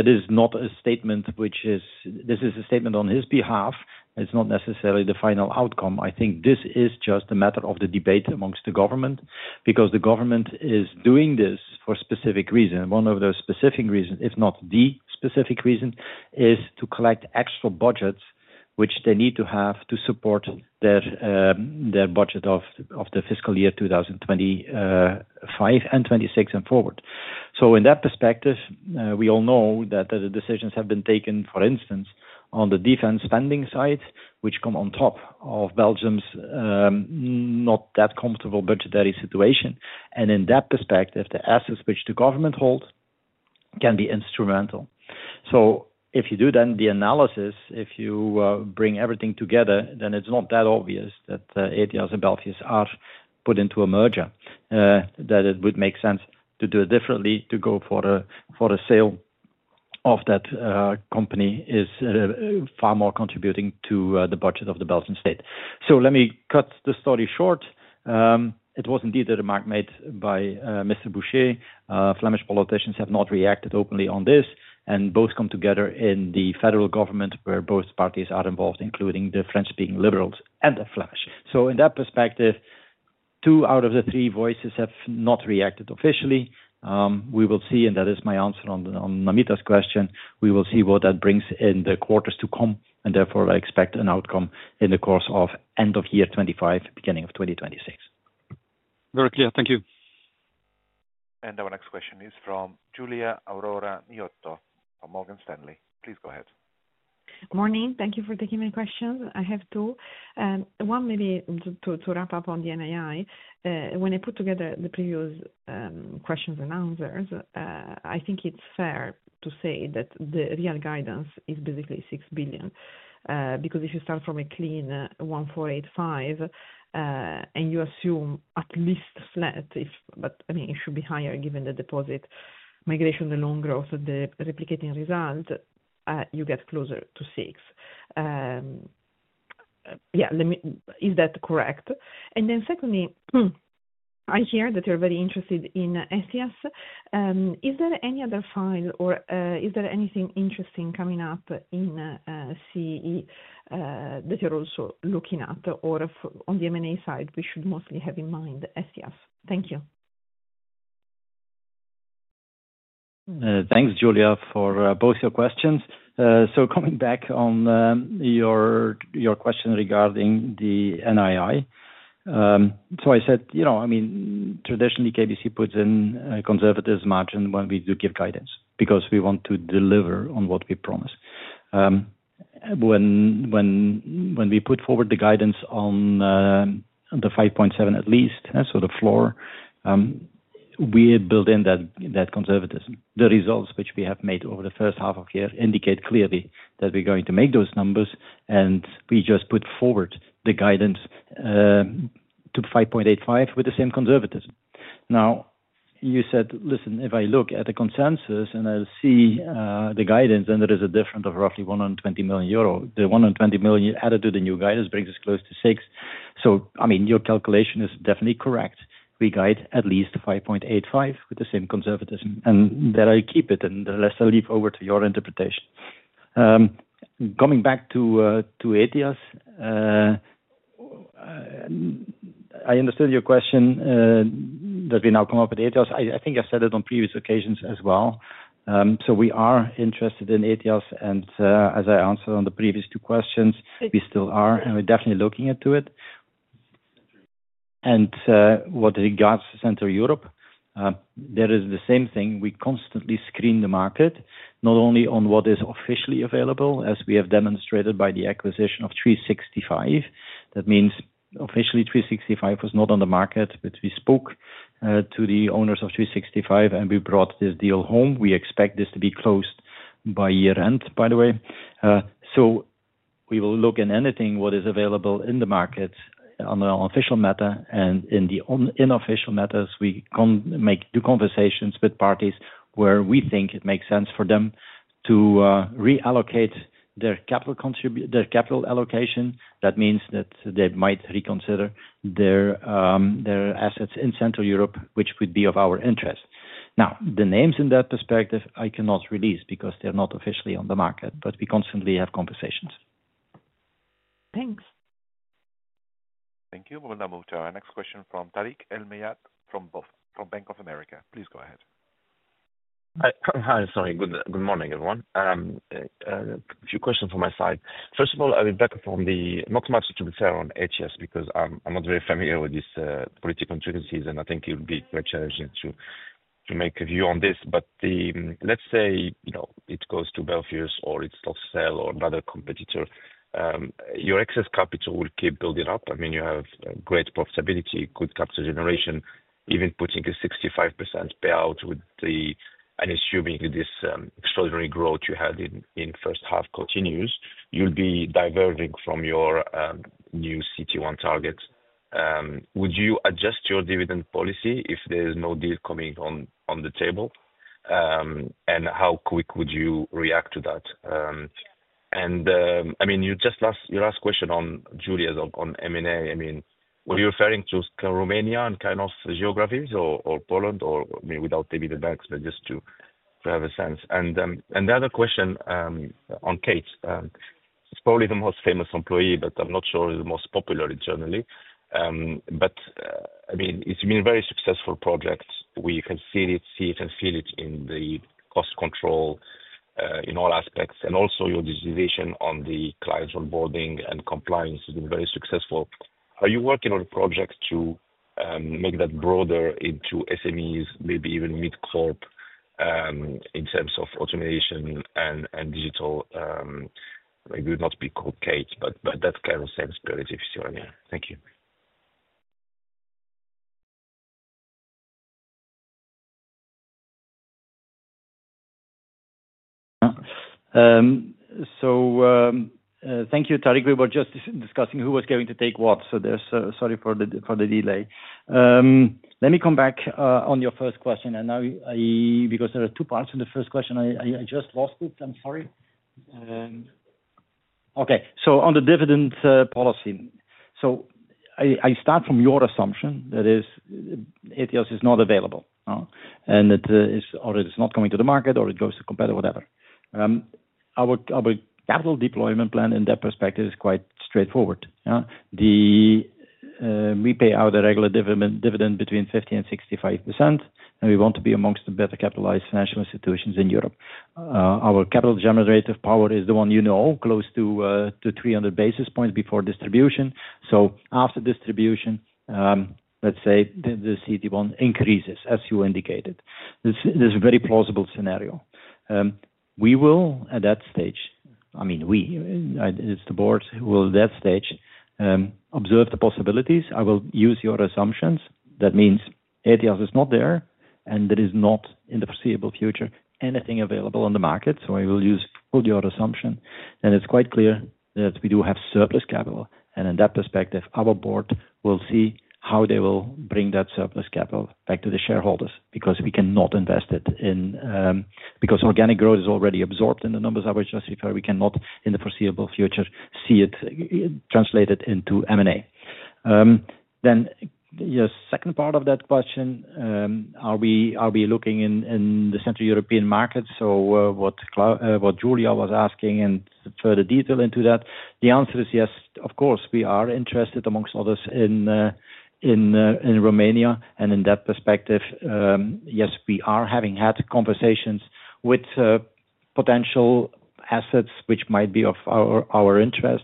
is not a statement which is the final outcome. This is a statement on his behalf. It's not necessarily the final outcome. I think this is just a matter of the debate amongst the government because the government is doing this for a specific reason. One of the specific reasons, if not the specific reason, is to collect extra budgets which they need to have to support their budget of the fiscal year 2025 and 2026 and forward. In that perspective, we all know that the decisions have been taken, for instance, on the defense spending side, which come on top of Belgium's not that comfortable budgetary situation. In that perspective, the assets which the government holds can be instrumental. If you do the analysis, if you bring everything together, then it's not that obvious that Ethias and Belfius are put into a merger. It would make sense to do it differently. To go for the sale of that company is far more contributing to the budget of the Belgian state. Let me cut the story short. It was indeed a remark made by Mr. Boucher. Flemish politicians have not reacted openly on this, and both come together in the federal government where both parties are involved, including the French-speaking liberals and the Flemish. In that perspective, two out of the three voices have not reacted officially. We will see, and that is my answer on Namita's question, we will see what that brings in the quarters to come. Therefore, I expect an outcome in the course of end of year 2025, beginning of 2026. Very clear. Thank you. Our next question is from Guilia Aurora Miiotto from Morgan Stanley. Please go ahead. Morning. Thank you for taking my questions. I have two. One, maybe to wrap up on the NAI. When I put together the previous questions and answers, I think it's fair to say that the real guidance is basically 6 billion. Because if you start from a clean 1.485 billion and you assume at least flat, but I mean, it should be higher given the deposit migration, the loan growth, the replicating result, you get closer to 6 billion. Yeah, is that correct? Secondly, I hear that you're very interested in Ethias. Is there any other file or is there anything interesting coming up in Central and Eastern Europe that you're also looking at? On the M&A side, we should mostly have in mind Ethias. Thank you. Thanks, Julia, for both your questions. Coming back on your question regarding the NAI, I said, you know, I mean, traditionally, KBC puts in a conservative margin when we do give guidance because we want to deliver on what we promise. When we put forward the guidance on the 5.7% at least, the floor, we build in that conservatism. The results which we have made over the first half of the year indicate clearly that we're going to make those numbers, and we just put forward the guidance to 5.85% with the same conservatism. You said, listen, if I look at the consensus and I see the guidance, then there is a difference of roughly 120 million euro. The 120 million added to the new guidance brings us close to 6%. I mean, your calculation is definitely correct. We guide at least 5.85% with the same conservatism. There I keep it, and the rest I leave over to your interpretation. Coming back to Ethias, I understood your question that we now come up with Ethias. I think I've said it on previous occasions as well. We are interested in Ethias. As I answered on the previous two questions, we still are, and we're definitely looking into it. With regards to Central Europe, there is the same thing. We constantly screen the market, not only on what is officially available, as we have demonstrated by the acquisition of 365. That means officially 365 was not on the market, but we spoke to the owners of 365, and we brought this deal home. We expect this to be closed by year end, by the way. We will look at anything that is available in the market on the official matter. In the unofficial matters, we can make conversations with parties where we think it makes sense for them to reallocate their capital allocation. That means that they might reconsider their assets in Central Europe, which would be of our interest. The names in that perspective, I cannot release because they're not officially on the market, but we constantly have conversations. Thanks. Thank you. We'll now move to our next question from Tariq El Mejjad from Bank of America. Please go ahead. Good morning, everyone. A few questions from my side. First of all, I'll be back from the not so much to be fair on Ethias because I'm not very familiar with these political contingencies, and I think it would be very challenging to make a view on this. Let's say it goes to Belfius or it's Tocciel or another competitor, your excess capital will keep building up. You have great profitability, good capital generation, even putting a 65% payout, and assuming this extraordinary growth you had in the first half continues, you'll be diverging from your new CET1 targets. Would you adjust your dividend policy if there's no deal coming on the table? How quick would you react to that? Your last question on Julia's on M&A, were you referring to Romanian kind of geographies or Poland or without maybe the banks, but just to have a sense? The other question on Kate, probably the most famous employee, but I'm not sure the most popular internally. It's been a very successful project. We can see it and feel it in the cost control in all aspects. Also, your decision on the client onboarding and compliance has been very successful. Are you working on a project to make that broader into SMEs, maybe even mid-corp in terms of automation and digital? It would not be called Kate, but that kind of sense is very difficult. Thank you. Thank you, Tariq. We were just discussing who was going to take what. Sorry for the delay. Let me come back on your first question. There are two parts to the first question. On the dividend policy, I start from your assumption that Ethias are not available and that it's not coming to the market or it goes to competitors, whatever. Our capital deployment plan in that perspective is quite straightforward. We pay out a regular dividend between 50% and 65%, and we want to be amongst the better capitalized financial institutions in Europe. Our capital generative power is the one you know, close to 300 basis points before distribution. After distribution, let's say the CET1 increases, as you indicated. This is a very plausible scenario. At that stage, the board will observe the possibilities. I will use your assumptions. That means Ethias are not there and there is not in the foreseeable future anything available on the market. I will use your assumption. It's quite clear that we do have surplus capital. In that perspective, our board will see how they will bring that surplus capital back to the shareholders because we cannot invest it in, because organic growth is already absorbed in the numbers I was just referring. We cannot in the foreseeable future see it translated into M&A. Your second part of that question, are we looking in the Central European market? What Julia was asking and further detail into that, the answer is yes, of course. We are interested, amongst others, in Romania and in that perspective, yes, we are having had conversations with potential assets which might be of our interest.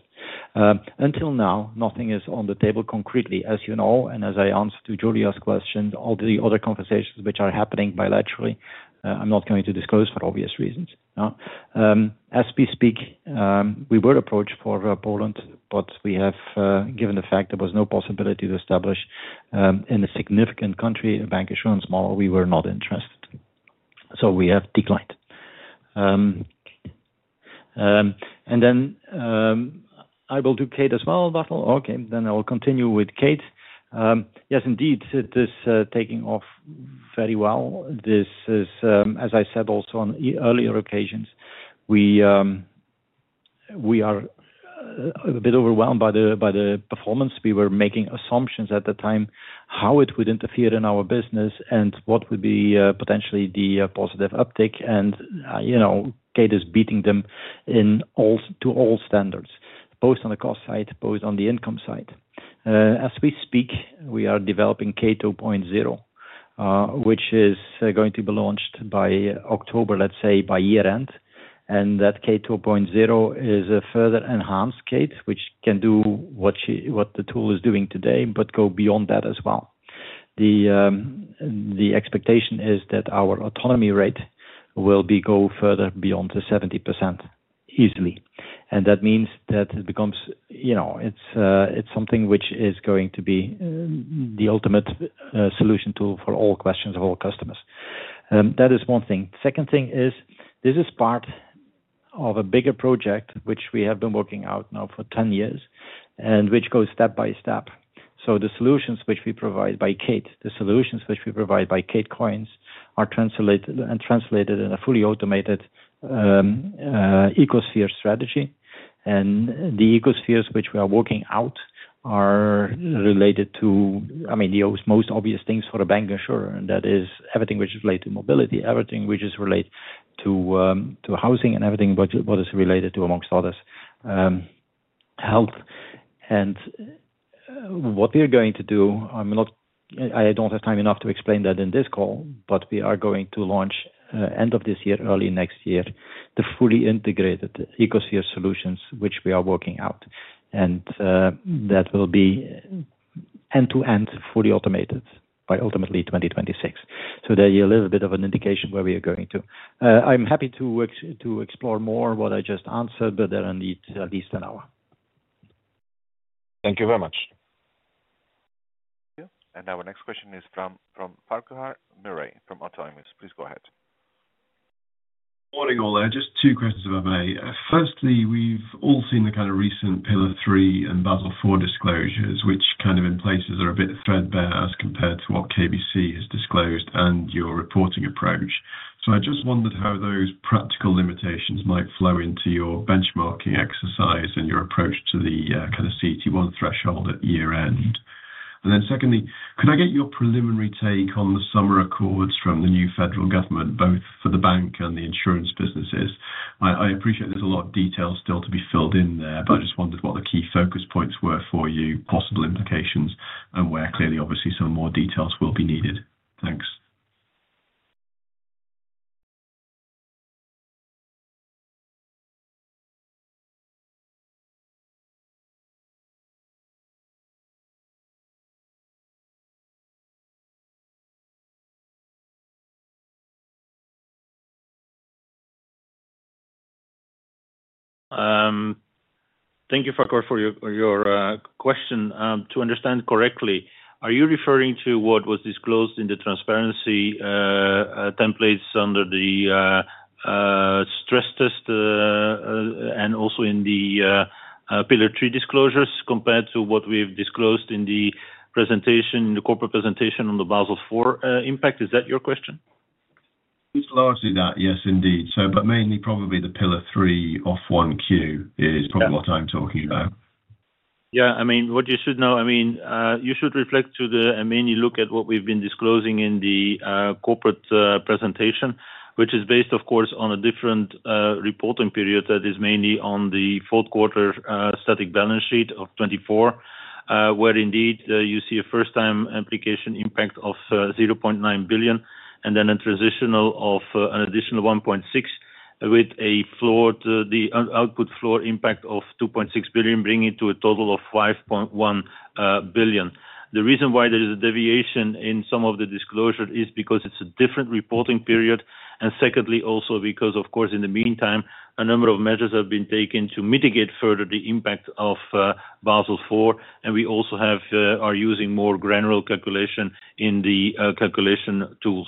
Until now, nothing is on the table concretely, as you know, and as I answered to Julia's question, all the other conversations which are happening bilaterally, I'm not going to disclose for obvious reasons. As we speak, we would approach for Poland, but given the fact there was no possibility to establish in a significant country a bank assurance model, we were not interested. We have declined. I will do Kate as well, Bartel. I will continue with Kate. Yes, indeed, it is taking off very well. As I said also on earlier occasions, we are a bit overwhelmed by the performance. We were making assumptions at the time how it would interfere in our business and what would be potentially the positive uptake. Kate is beating them to all standards, both on the cost side, both on the income side. As we speak, we are developing Kate 2.0, which is going to be launched by October, let's say, by year end. Kate 2.0 is a further enhanced Kate, which can do what the tool is doing today, but go beyond that as well. The expectation is that our autonomy rate will go further beyond 70% easily. That means that it becomes, you know, it's something which is going to be the ultimate solution tool for all questions of all customers. That is one thing. The second thing is this is part of a bigger project which we have been working out now for 10 years and which goes step by step. The solutions which we provide by Kate, the solutions which we provide by Kate Coins, are translated and translated in a fully automated ecosphere strategy. The ecospheres which we are working out are related to, I mean, the most obvious things for a bank insurer. That is everything which is related to mobility, everything which is related to housing, and everything what is related to, amongst others, health. What we are going to do, I don't have time enough to explain that in this call, but we are going to launch end of this year, early next year, the fully integrated ecosphere solutions which we are working out. That will be end-to-end, fully automated by ultimately 2026. There you have a little bit of an indication where we are going to. I'm happy to explore more what I just answered, but then I need at least an hour. Thank you very much. Our next question is from Farquhar Murray from Autonomous. Please go ahead. Morning, all. Just two questions about me. Firstly, we've all seen the kind of recent Pillar 3 and Basel IV disclosures, which kind of in places are a bit of a threadbare as compared to what KBC Group has disclosed and your reporting approach. I just wondered how those practical limitations might flow into your benchmarking exercise and your approach to the kind of CET1 threshold at year end. Secondly, could I get your preliminary take on the summer accords from the new federal government, both for the bank and the insurance businesses? I appreciate there's a lot of detail still to be filled in there, but I just wondered what the key focus points were for you, possible implications, and where clearly, obviously, some more details will be needed. Thanks. Thank you, Farquhar, for your question. To understand correctly, are you referring to what was disclosed in the transparency templates under the stress test and also in the Pillar 3 disclosures compared to what we've disclosed in the presentation, in the corporate presentation on the Basel IV impact? Is that your question? It's largely that, yes, indeed. Mainly probably the Pillar 3 off 1Q is probably what I'm talking about. Yeah, I mean, what you should know, you should reflect to the and mainly look at what we've been disclosing in the corporate presentation, which is based, of course, on a different reporting period that is mainly on the fourth quarter static balance sheet of 2024, where indeed you see a first-time application impact of 0.9 billion and then a transitional of an additional 1.6 billion with the output floor impact of 2.6 billion, bringing it to a total of 5.1 billion. The reason why there is a deviation in some of the disclosure is because it's a different reporting period. Secondly, also because, of course, in the meantime, a number of measures have been taken to mitigate further the impact of Basel IV, and we also are using more granular calculation in the calculation tools.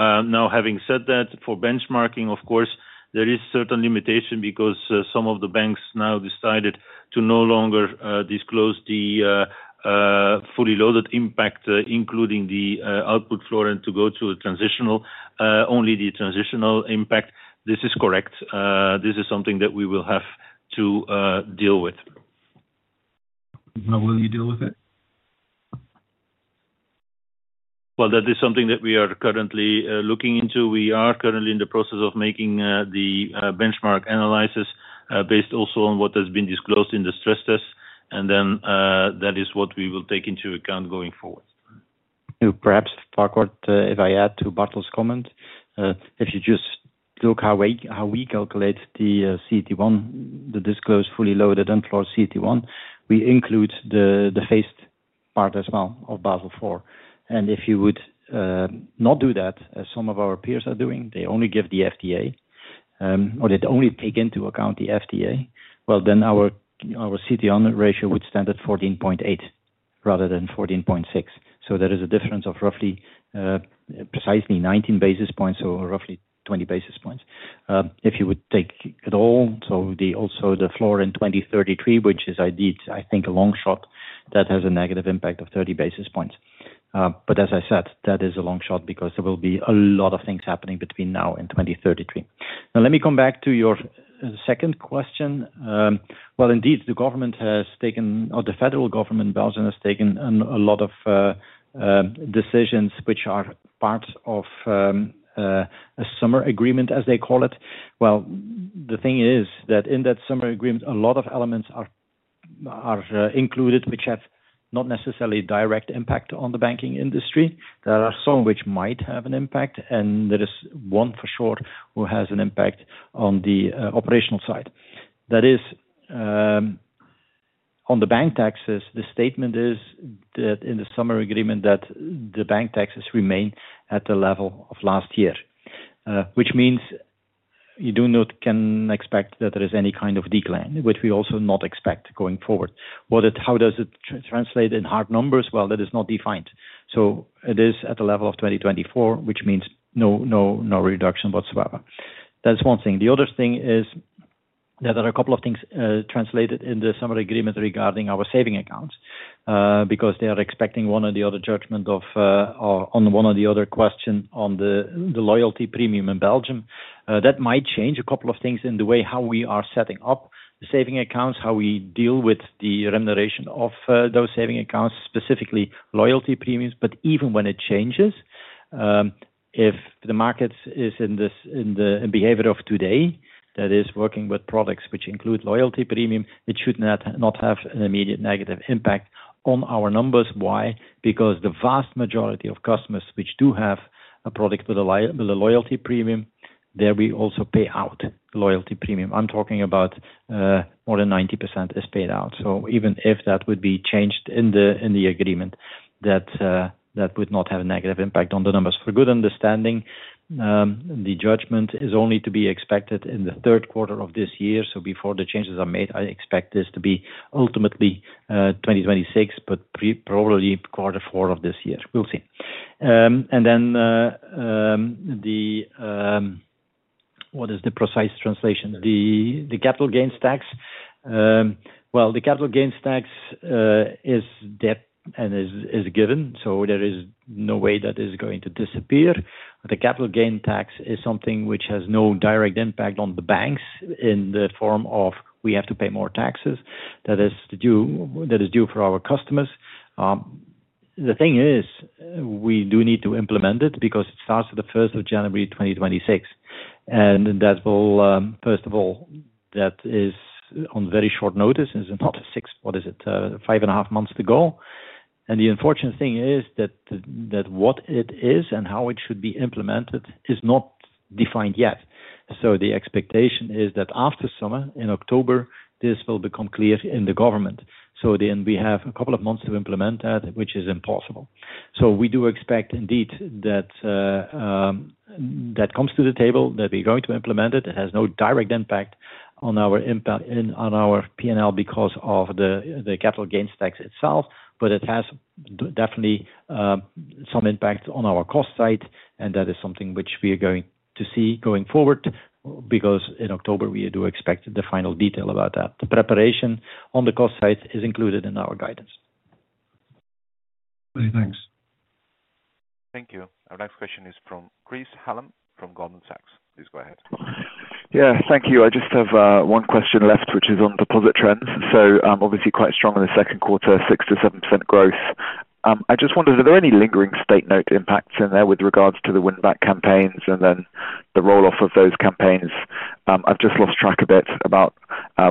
Now, having said that, for benchmarking, of course, there is a certain limitation because some of the banks now decided to no longer disclose the fully loaded impact, including the output floor, and to go to a transitional, only the transitional impact. This is correct. This is something that we will have to deal with. How will you deal with it? That is something that we are currently looking into. We are currently in the process of making the benchmark analysis based also on what has been disclosed in the stress test. That is what we will take into account going forward. Perhaps, Farquhar, if I add to Bartel's comment, if you just took how we calculate the CET1, the disclosed fully loaded and floor CET1, we include the phased part as well of Basel IV. If you would not do that, as some of our peers are doing, they only give the FDA or they only take into account the FDA, our CET1 ratio would stand at 14.8 rather than 14.6. There is a difference of roughly precisely 19 basis points, so roughly 20 basis points. If you would take it all, so also the floor in 2033, which is, I think, a long shot that has a negative impact of 30 basis points. That is a long shot because there will be a lot of things happening between now and 2033. Now, let me come back to your second question. Indeed, the government has taken, or the federal government in Belgium has taken a lot of decisions which are part of a summer agreement, as they call it. The thing is that in that summer agreement, a lot of elements are included which have not necessarily a direct impact on the banking industry. There are some which might have an impact, and there is one for sure who has an impact on the operational side. That is, on the bank taxes, the statement is that in the summer agreement that the bank taxes remain at the level of last year, which means you do not expect that there is any kind of decline, which we also do not expect going forward. How does it translate in hard numbers? That is not defined. It is at the level of 2024, which means no reduction whatsoever. That's one thing. The other thing is that there are a couple of things translated in the summer agreement regarding our saving accounts because they are expecting one or the other judgment on one or the other question on the loyalty premium in Belgium. That might change a couple of things in the way how we are setting up the saving accounts, how we deal with the remuneration of those saving accounts, specifically loyalty premiums. Even when it changes, if the market is in the behavior of today, that is working with products which include loyalty premium, it should not have an immediate negative impact on our numbers. Why? Because the vast majority of customers which do have a product with a loyalty premium, there we also pay out a loyalty premium. I'm talking about more than 90% is paid out. Even if that would be changed in the agreement, that would not have a negative impact on the numbers. For good understanding, the judgment is only to be expected in the third quarter of this year. Before the changes are made, I expect this to be ultimately 2026, but probably quarter four of this year. We'll see. What is the precise translation? The capital gains tax. The capital gains tax is debt and is given. There is no way that is going to disappear. The capital gains tax is something which has no direct impact on the banks in the form of we have to pay more taxes that is due for our customers. The thing is, we do need to implement it because it starts at January 1, 2026. That is, first of all, on very short notice. It's not a six, what is it, five and a half months to go. The unfortunate thing is that what it is and how it should be implemented is not defined yet. The expectation is that after summer, in October, this will become clear in the government. We have a couple of months to implement that, which is impossible. We do expect indeed that that comes to the table, that we're going to implement it. It has no direct impact on our P&L because of the capital gains tax itself, but it has definitely some impact on our cost side. That is something which we are going to see going forward because in October, we do expect the final detail about that. The preparation on the cost side is included in our guidance. Thanks. Thank you. Our next question is from Chris Hallam from Goldman Sachs. Please go ahead. Thank you. I just have one question left, which is on deposit trends. Obviously, quite strong in the second quarter, 6%-7% growth. I just wondered, are there any lingering state note impacts in there with regards to the win-back campaigns and then the roll-off of those campaigns? I've just lost track a bit about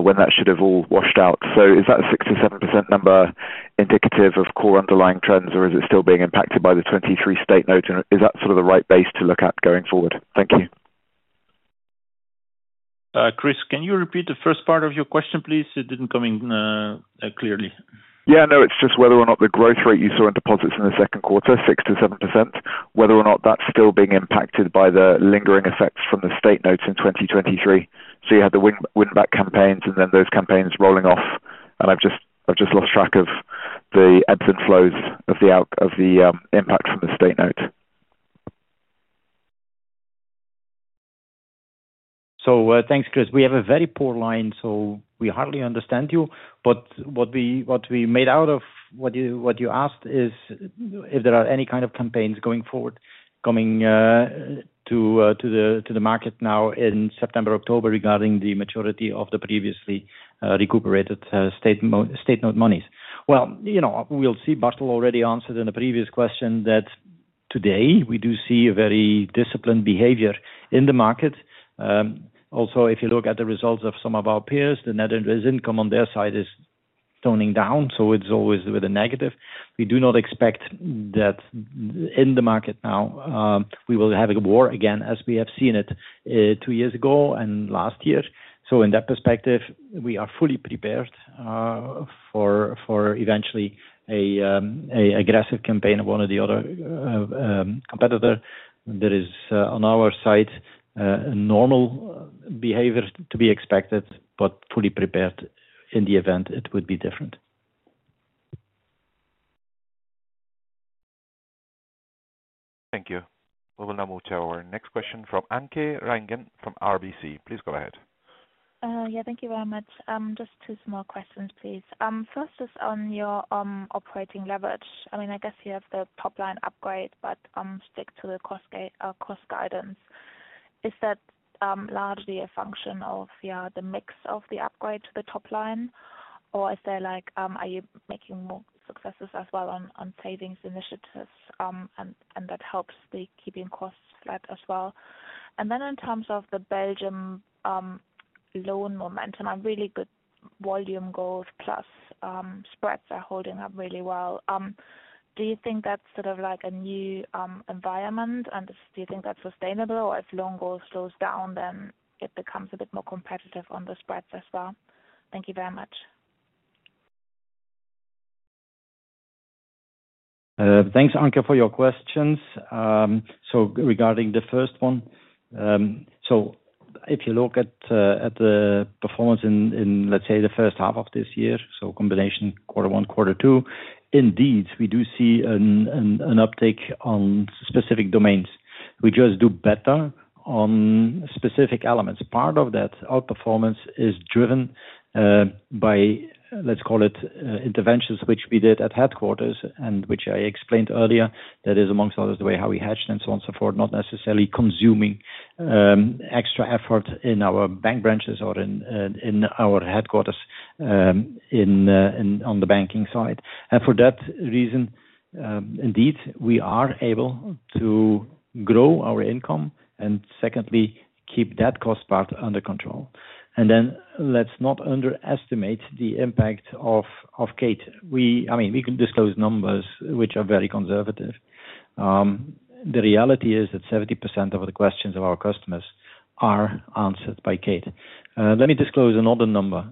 when that should have all washed out. Is that a 6%-7% number indicative of core underlying trends, or is it still being impacted by the 2023 state note? Is that sort of the right base to look at going forward? Thank you. Chris, can you repeat the first part of your question, please? It didn't come in clearly. Yeah, no, it's just whether or not the growth rate you saw in deposits in the second quarter, 6%-7%, whether or not that's still being impacted by the lingering effects from the state notes in 2023. You had the win-win-back campaigns and then those campaigns rolling off. I've just lost track of the ebbs and flows of the impact from the state note. Thanks, Chris. We have a very poor line, so we hardly understand you. What we made out of what you asked is if there are any kind of campaigns going forward coming to the market now in September, October regarding the maturity of the previously recuperated state note monies. Bartel already answered in a previous question that today we do see a very disciplined behavior in the market. Also, if you look at the results of some of our peers, the net interest income on their side is toning down, so it's always with a negative. We do not expect that in the market now, we will have a war again as we have seen it two years ago and last year. In that perspective, we are fully prepared for eventually an aggressive campaign of one or the other competitor. That is, on our side, a normal behavior to be expected, but fully prepared in the event it would be different. Thank you. We will now move to our next question from Anke Reingen from RBC. Please go ahead. Thank you very much. Just two small questions, please. First is on your operating leverage. I mean, I guess you have the top line upgrade, but stick to the cost guidance. Is that largely a function of the mix of the upgrade to the top line? Or are you making more successes as well on savings initiatives, and that helps keeping costs flat as well? In terms of the Belgium loan momentum, really good volume growth plus spreads are holding up really well. Do you think that's sort of like a new environment, and do you think that's sustainable? Or if loan growth slows down, then it becomes a bit more competitive on the spreads as well? Thank you very much. Thanks, Anke, for your questions. Regarding the first one, if you look at the performance in, let's say, the first half of this year, combination quarter one, quarter two, indeed, we do see an uptake on specific domains. We just do better on specific elements. Part of that outperformance is driven by, let's call it, interventions which we did at headquarters and which I explained earlier. That is, amongst others, the way how we hedge and so on and so forth, not necessarily consuming extra effort in our bank branches or in our headquarters on the banking side. For that reason, indeed, we are able to grow our income and, secondly, keep that cost part under control. Let's not underestimate the impact of Kate. We can disclose numbers which are very conservative. The reality is that 70% of the questions of our customers are answered by Kate. Let me disclose another number.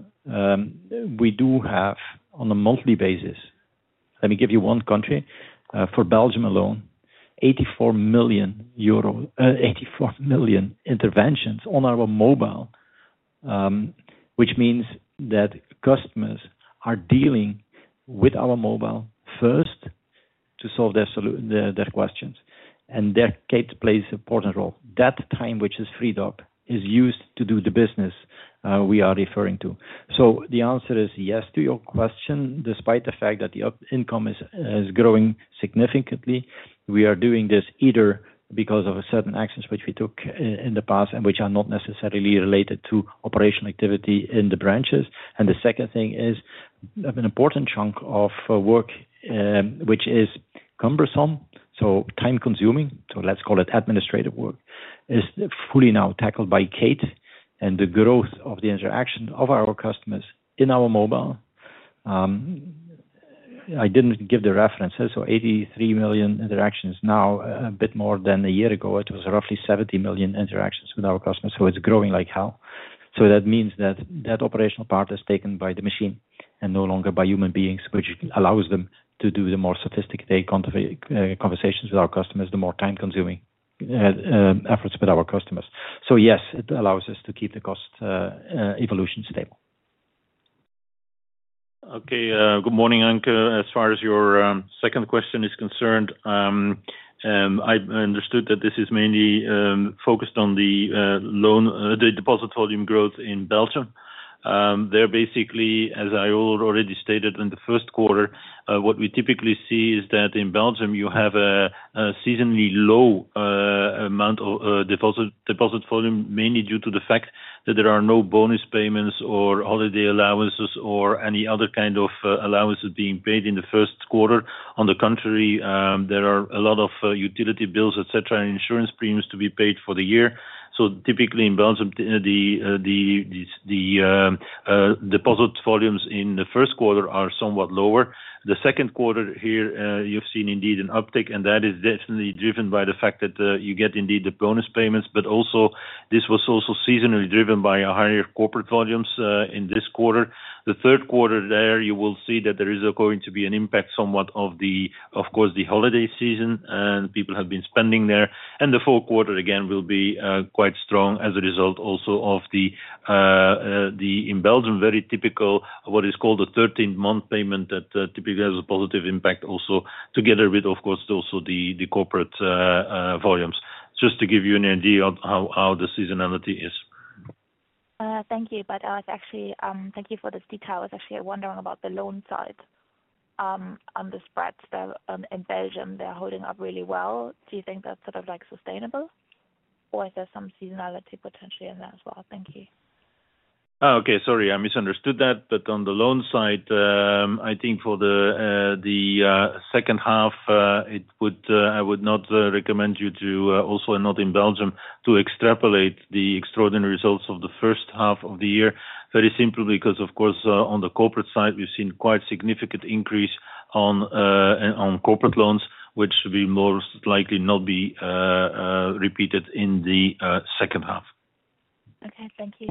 We do have, on a monthly basis, let me give you one country, for Belgium alone, 84 million euro, 84 million interventions on our mobile, which means that customers are dealing with our mobile first to solve their questions. There Kate plays an important role. That time, which is freed up, is used to do the business we are referring to. The answer is yes to your question, despite the fact that the income is growing significantly. We are doing this either because of certain accents which we took in the past and which are not necessarily related to operational activity in the branches. The second thing is, an important chunk of work, which is cumbersome, so time-consuming, so let's call it administrative work, is fully now tackled by Kate and the growth of the interaction of our customers in our mobile. I didn't give the references, so 83 million interactions now, a bit more than a year ago, it was roughly 70 million interactions with our customers. It's growing like hell. That means that operational part is taken by the machine and no longer by human beings, which allows them to do the more sophisticated conversations with our customers, the more time-consuming efforts with our customers. Yes, it allows us to keep the cost evolution stable. Okay. Good morning, Anke. As far as your second question is concerned, I understood that this is mainly focused on the loan, the deposit volume growth in Belgium. As I already stated in the first quarter, what we typically see is that in Belgium, you have a seasonally low amount of deposit volume, mainly due to the fact that there are no bonus payments or holiday allowances or any other kind of allowances being paid in the first quarter. On the contrary, there are a lot of utility bills, etc., and insurance premiums to be paid for the year. Typically in Belgium, the deposit volumes in the first quarter are somewhat lower. In the second quarter here, you've seen indeed an uptake, and that is definitely driven by the fact that you get indeed the bonus payments, but also this was also seasonally driven by higher corporate volumes in this quarter. In the third quarter, you will see that there is going to be an impact somewhat of the holiday season, and people have been spending there. The fourth quarter, again, will be quite strong as a result also of the, in Belgium, very typical of what is called a thirteenth month payment that typically has a positive impact also together with, of course, also the corporate volumes. Just to give you an idea of how the seasonality is. Thank you for this detail. I was actually wondering about the loan side. On the spreads, they're in Belgium, they're holding up really well. Do you think that's sort of like sustainable? Or is there some seasonality potentially in there as well? Thank you. Oh, okay. Sorry. I misunderstood that. On the loan side, I think for the second half, I would not recommend you to, also not in Belgium, to extrapolate the extraordinary results of the first half of the year. Very simply because, of course, on the corporate side, we've seen quite a significant increase on corporate loans, which will more likely not be repeated in the second half. Okay, thank you.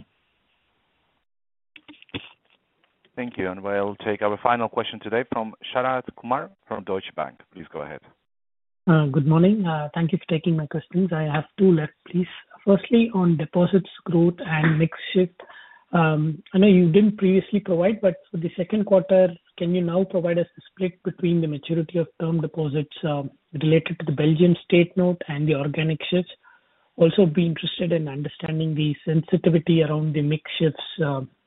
Thank you. We'll take our final question today from Sharath Kumar from Deutsche Bank. Please go ahead. Good morning. Thank you for taking my questions. I have two left, please. Firstly, on deposits growth and mix shift. I know you didn't previously provide, but for the second quarter, can you now provide us the split between the maturity of term deposits, related to the Belgian state note and the organic shifts? Also, I'd be interested in understanding the sensitivity around the mix shifts,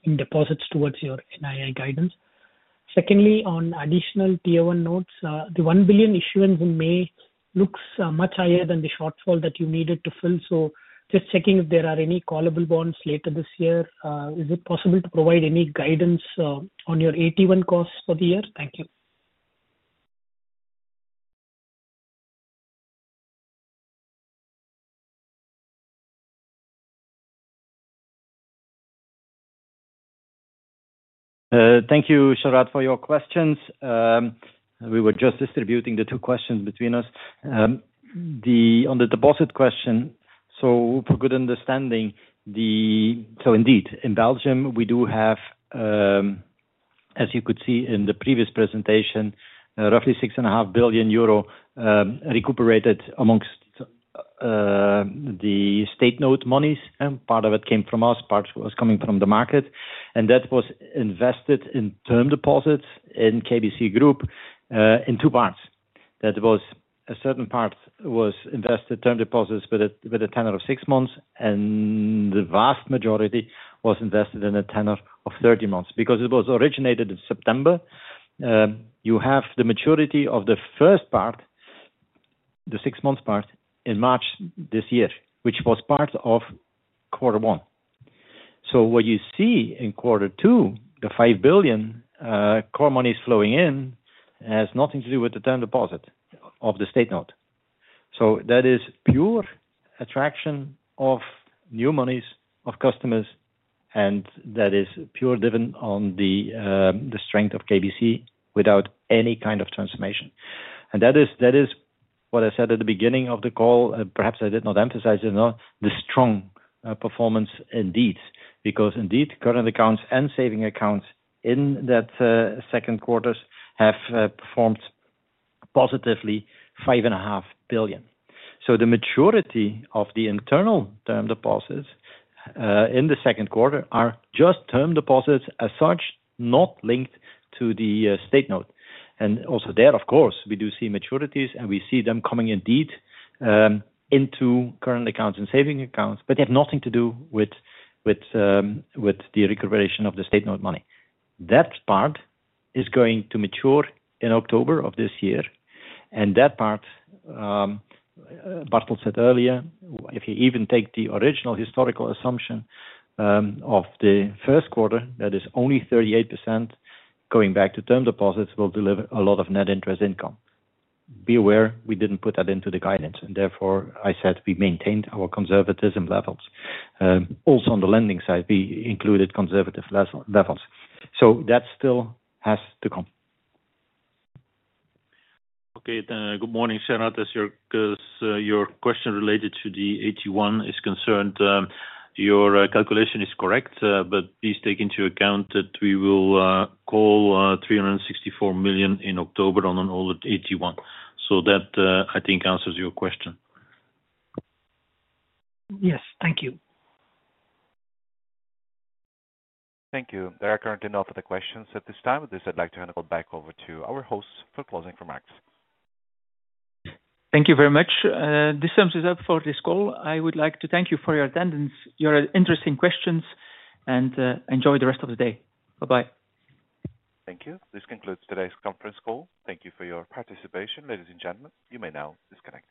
in deposits towards your NII guidance. Secondly, on additional tier one notes, the 1 billion issuance in May looks much higher than the shortfall that you needed to fill. Just checking if there are any callable bonds later this year. Is it possible to provide any guidance on your AT1 costs for the year? Thank you. Thank you, Sharad, for your questions. We were just distributing the two questions between us. On the deposit question, for good understanding, indeed, in Belgium, we do have, as you could see in the previous presentation, roughly 6.5 billion euro recuperated amongst the state note monies. Part of it came from us, part was coming from the market. That was invested in term deposits in KBC Group, in two parts. A certain part was invested in term deposits with a tenor of six months, and the vast majority was invested in a tenor of thirty months. Because it was originated in September, you have the maturity of the first part, the six months part, in March this year, which was part of quarter one. What you see in quarter two, the 5 billion core monies flowing in, has nothing to do with the term deposit of the state note. That is pure attraction of new monies of customers, and that is purely driven on the strength of KBC Group without any kind of transformation. That is what I said at the beginning of the call. Perhaps I did not emphasize enough the strong performance, indeed, because current accounts and saving accounts in that second quarter have performed positively, 5.5 billion. The maturity of the internal term deposits in the second quarter are just term deposits as such, not linked to the state note. Also there, of course, we do see maturities, and we see them coming indeed into current accounts and saving accounts, but they have nothing to do with the recuperation of the state note money. That part is going to mature in October of this year. That part, Bartel said earlier, if you even take the original historical assumption of the first quarter, that is only 38% going back to term deposits, will deliver a lot of net interest income. Be aware, we didn't put that into the guidance. Therefore, I said we maintained our conservatism levels. Also on the lending side, we included conservative levels. That still has to come. Okay. Good morning, Sharad. As your question related to the AT1 is concerned, your calculation is correct, but please take into account that we will call 364 million in October on an old AT1. I think that answers your question. Yes, thank you. Thank you. There are currently no further questions at this time. With this, I'd like to hand it all back over to our host for closing remarks. Thank you very much. This ends it for this call. I would like to thank you for your attendance, your interesting questions, and enjoy the rest of the day. Bye-bye. Thank you. This concludes today's conference call. Thank you for your participation, ladies and gentlemen. You may now disconnect.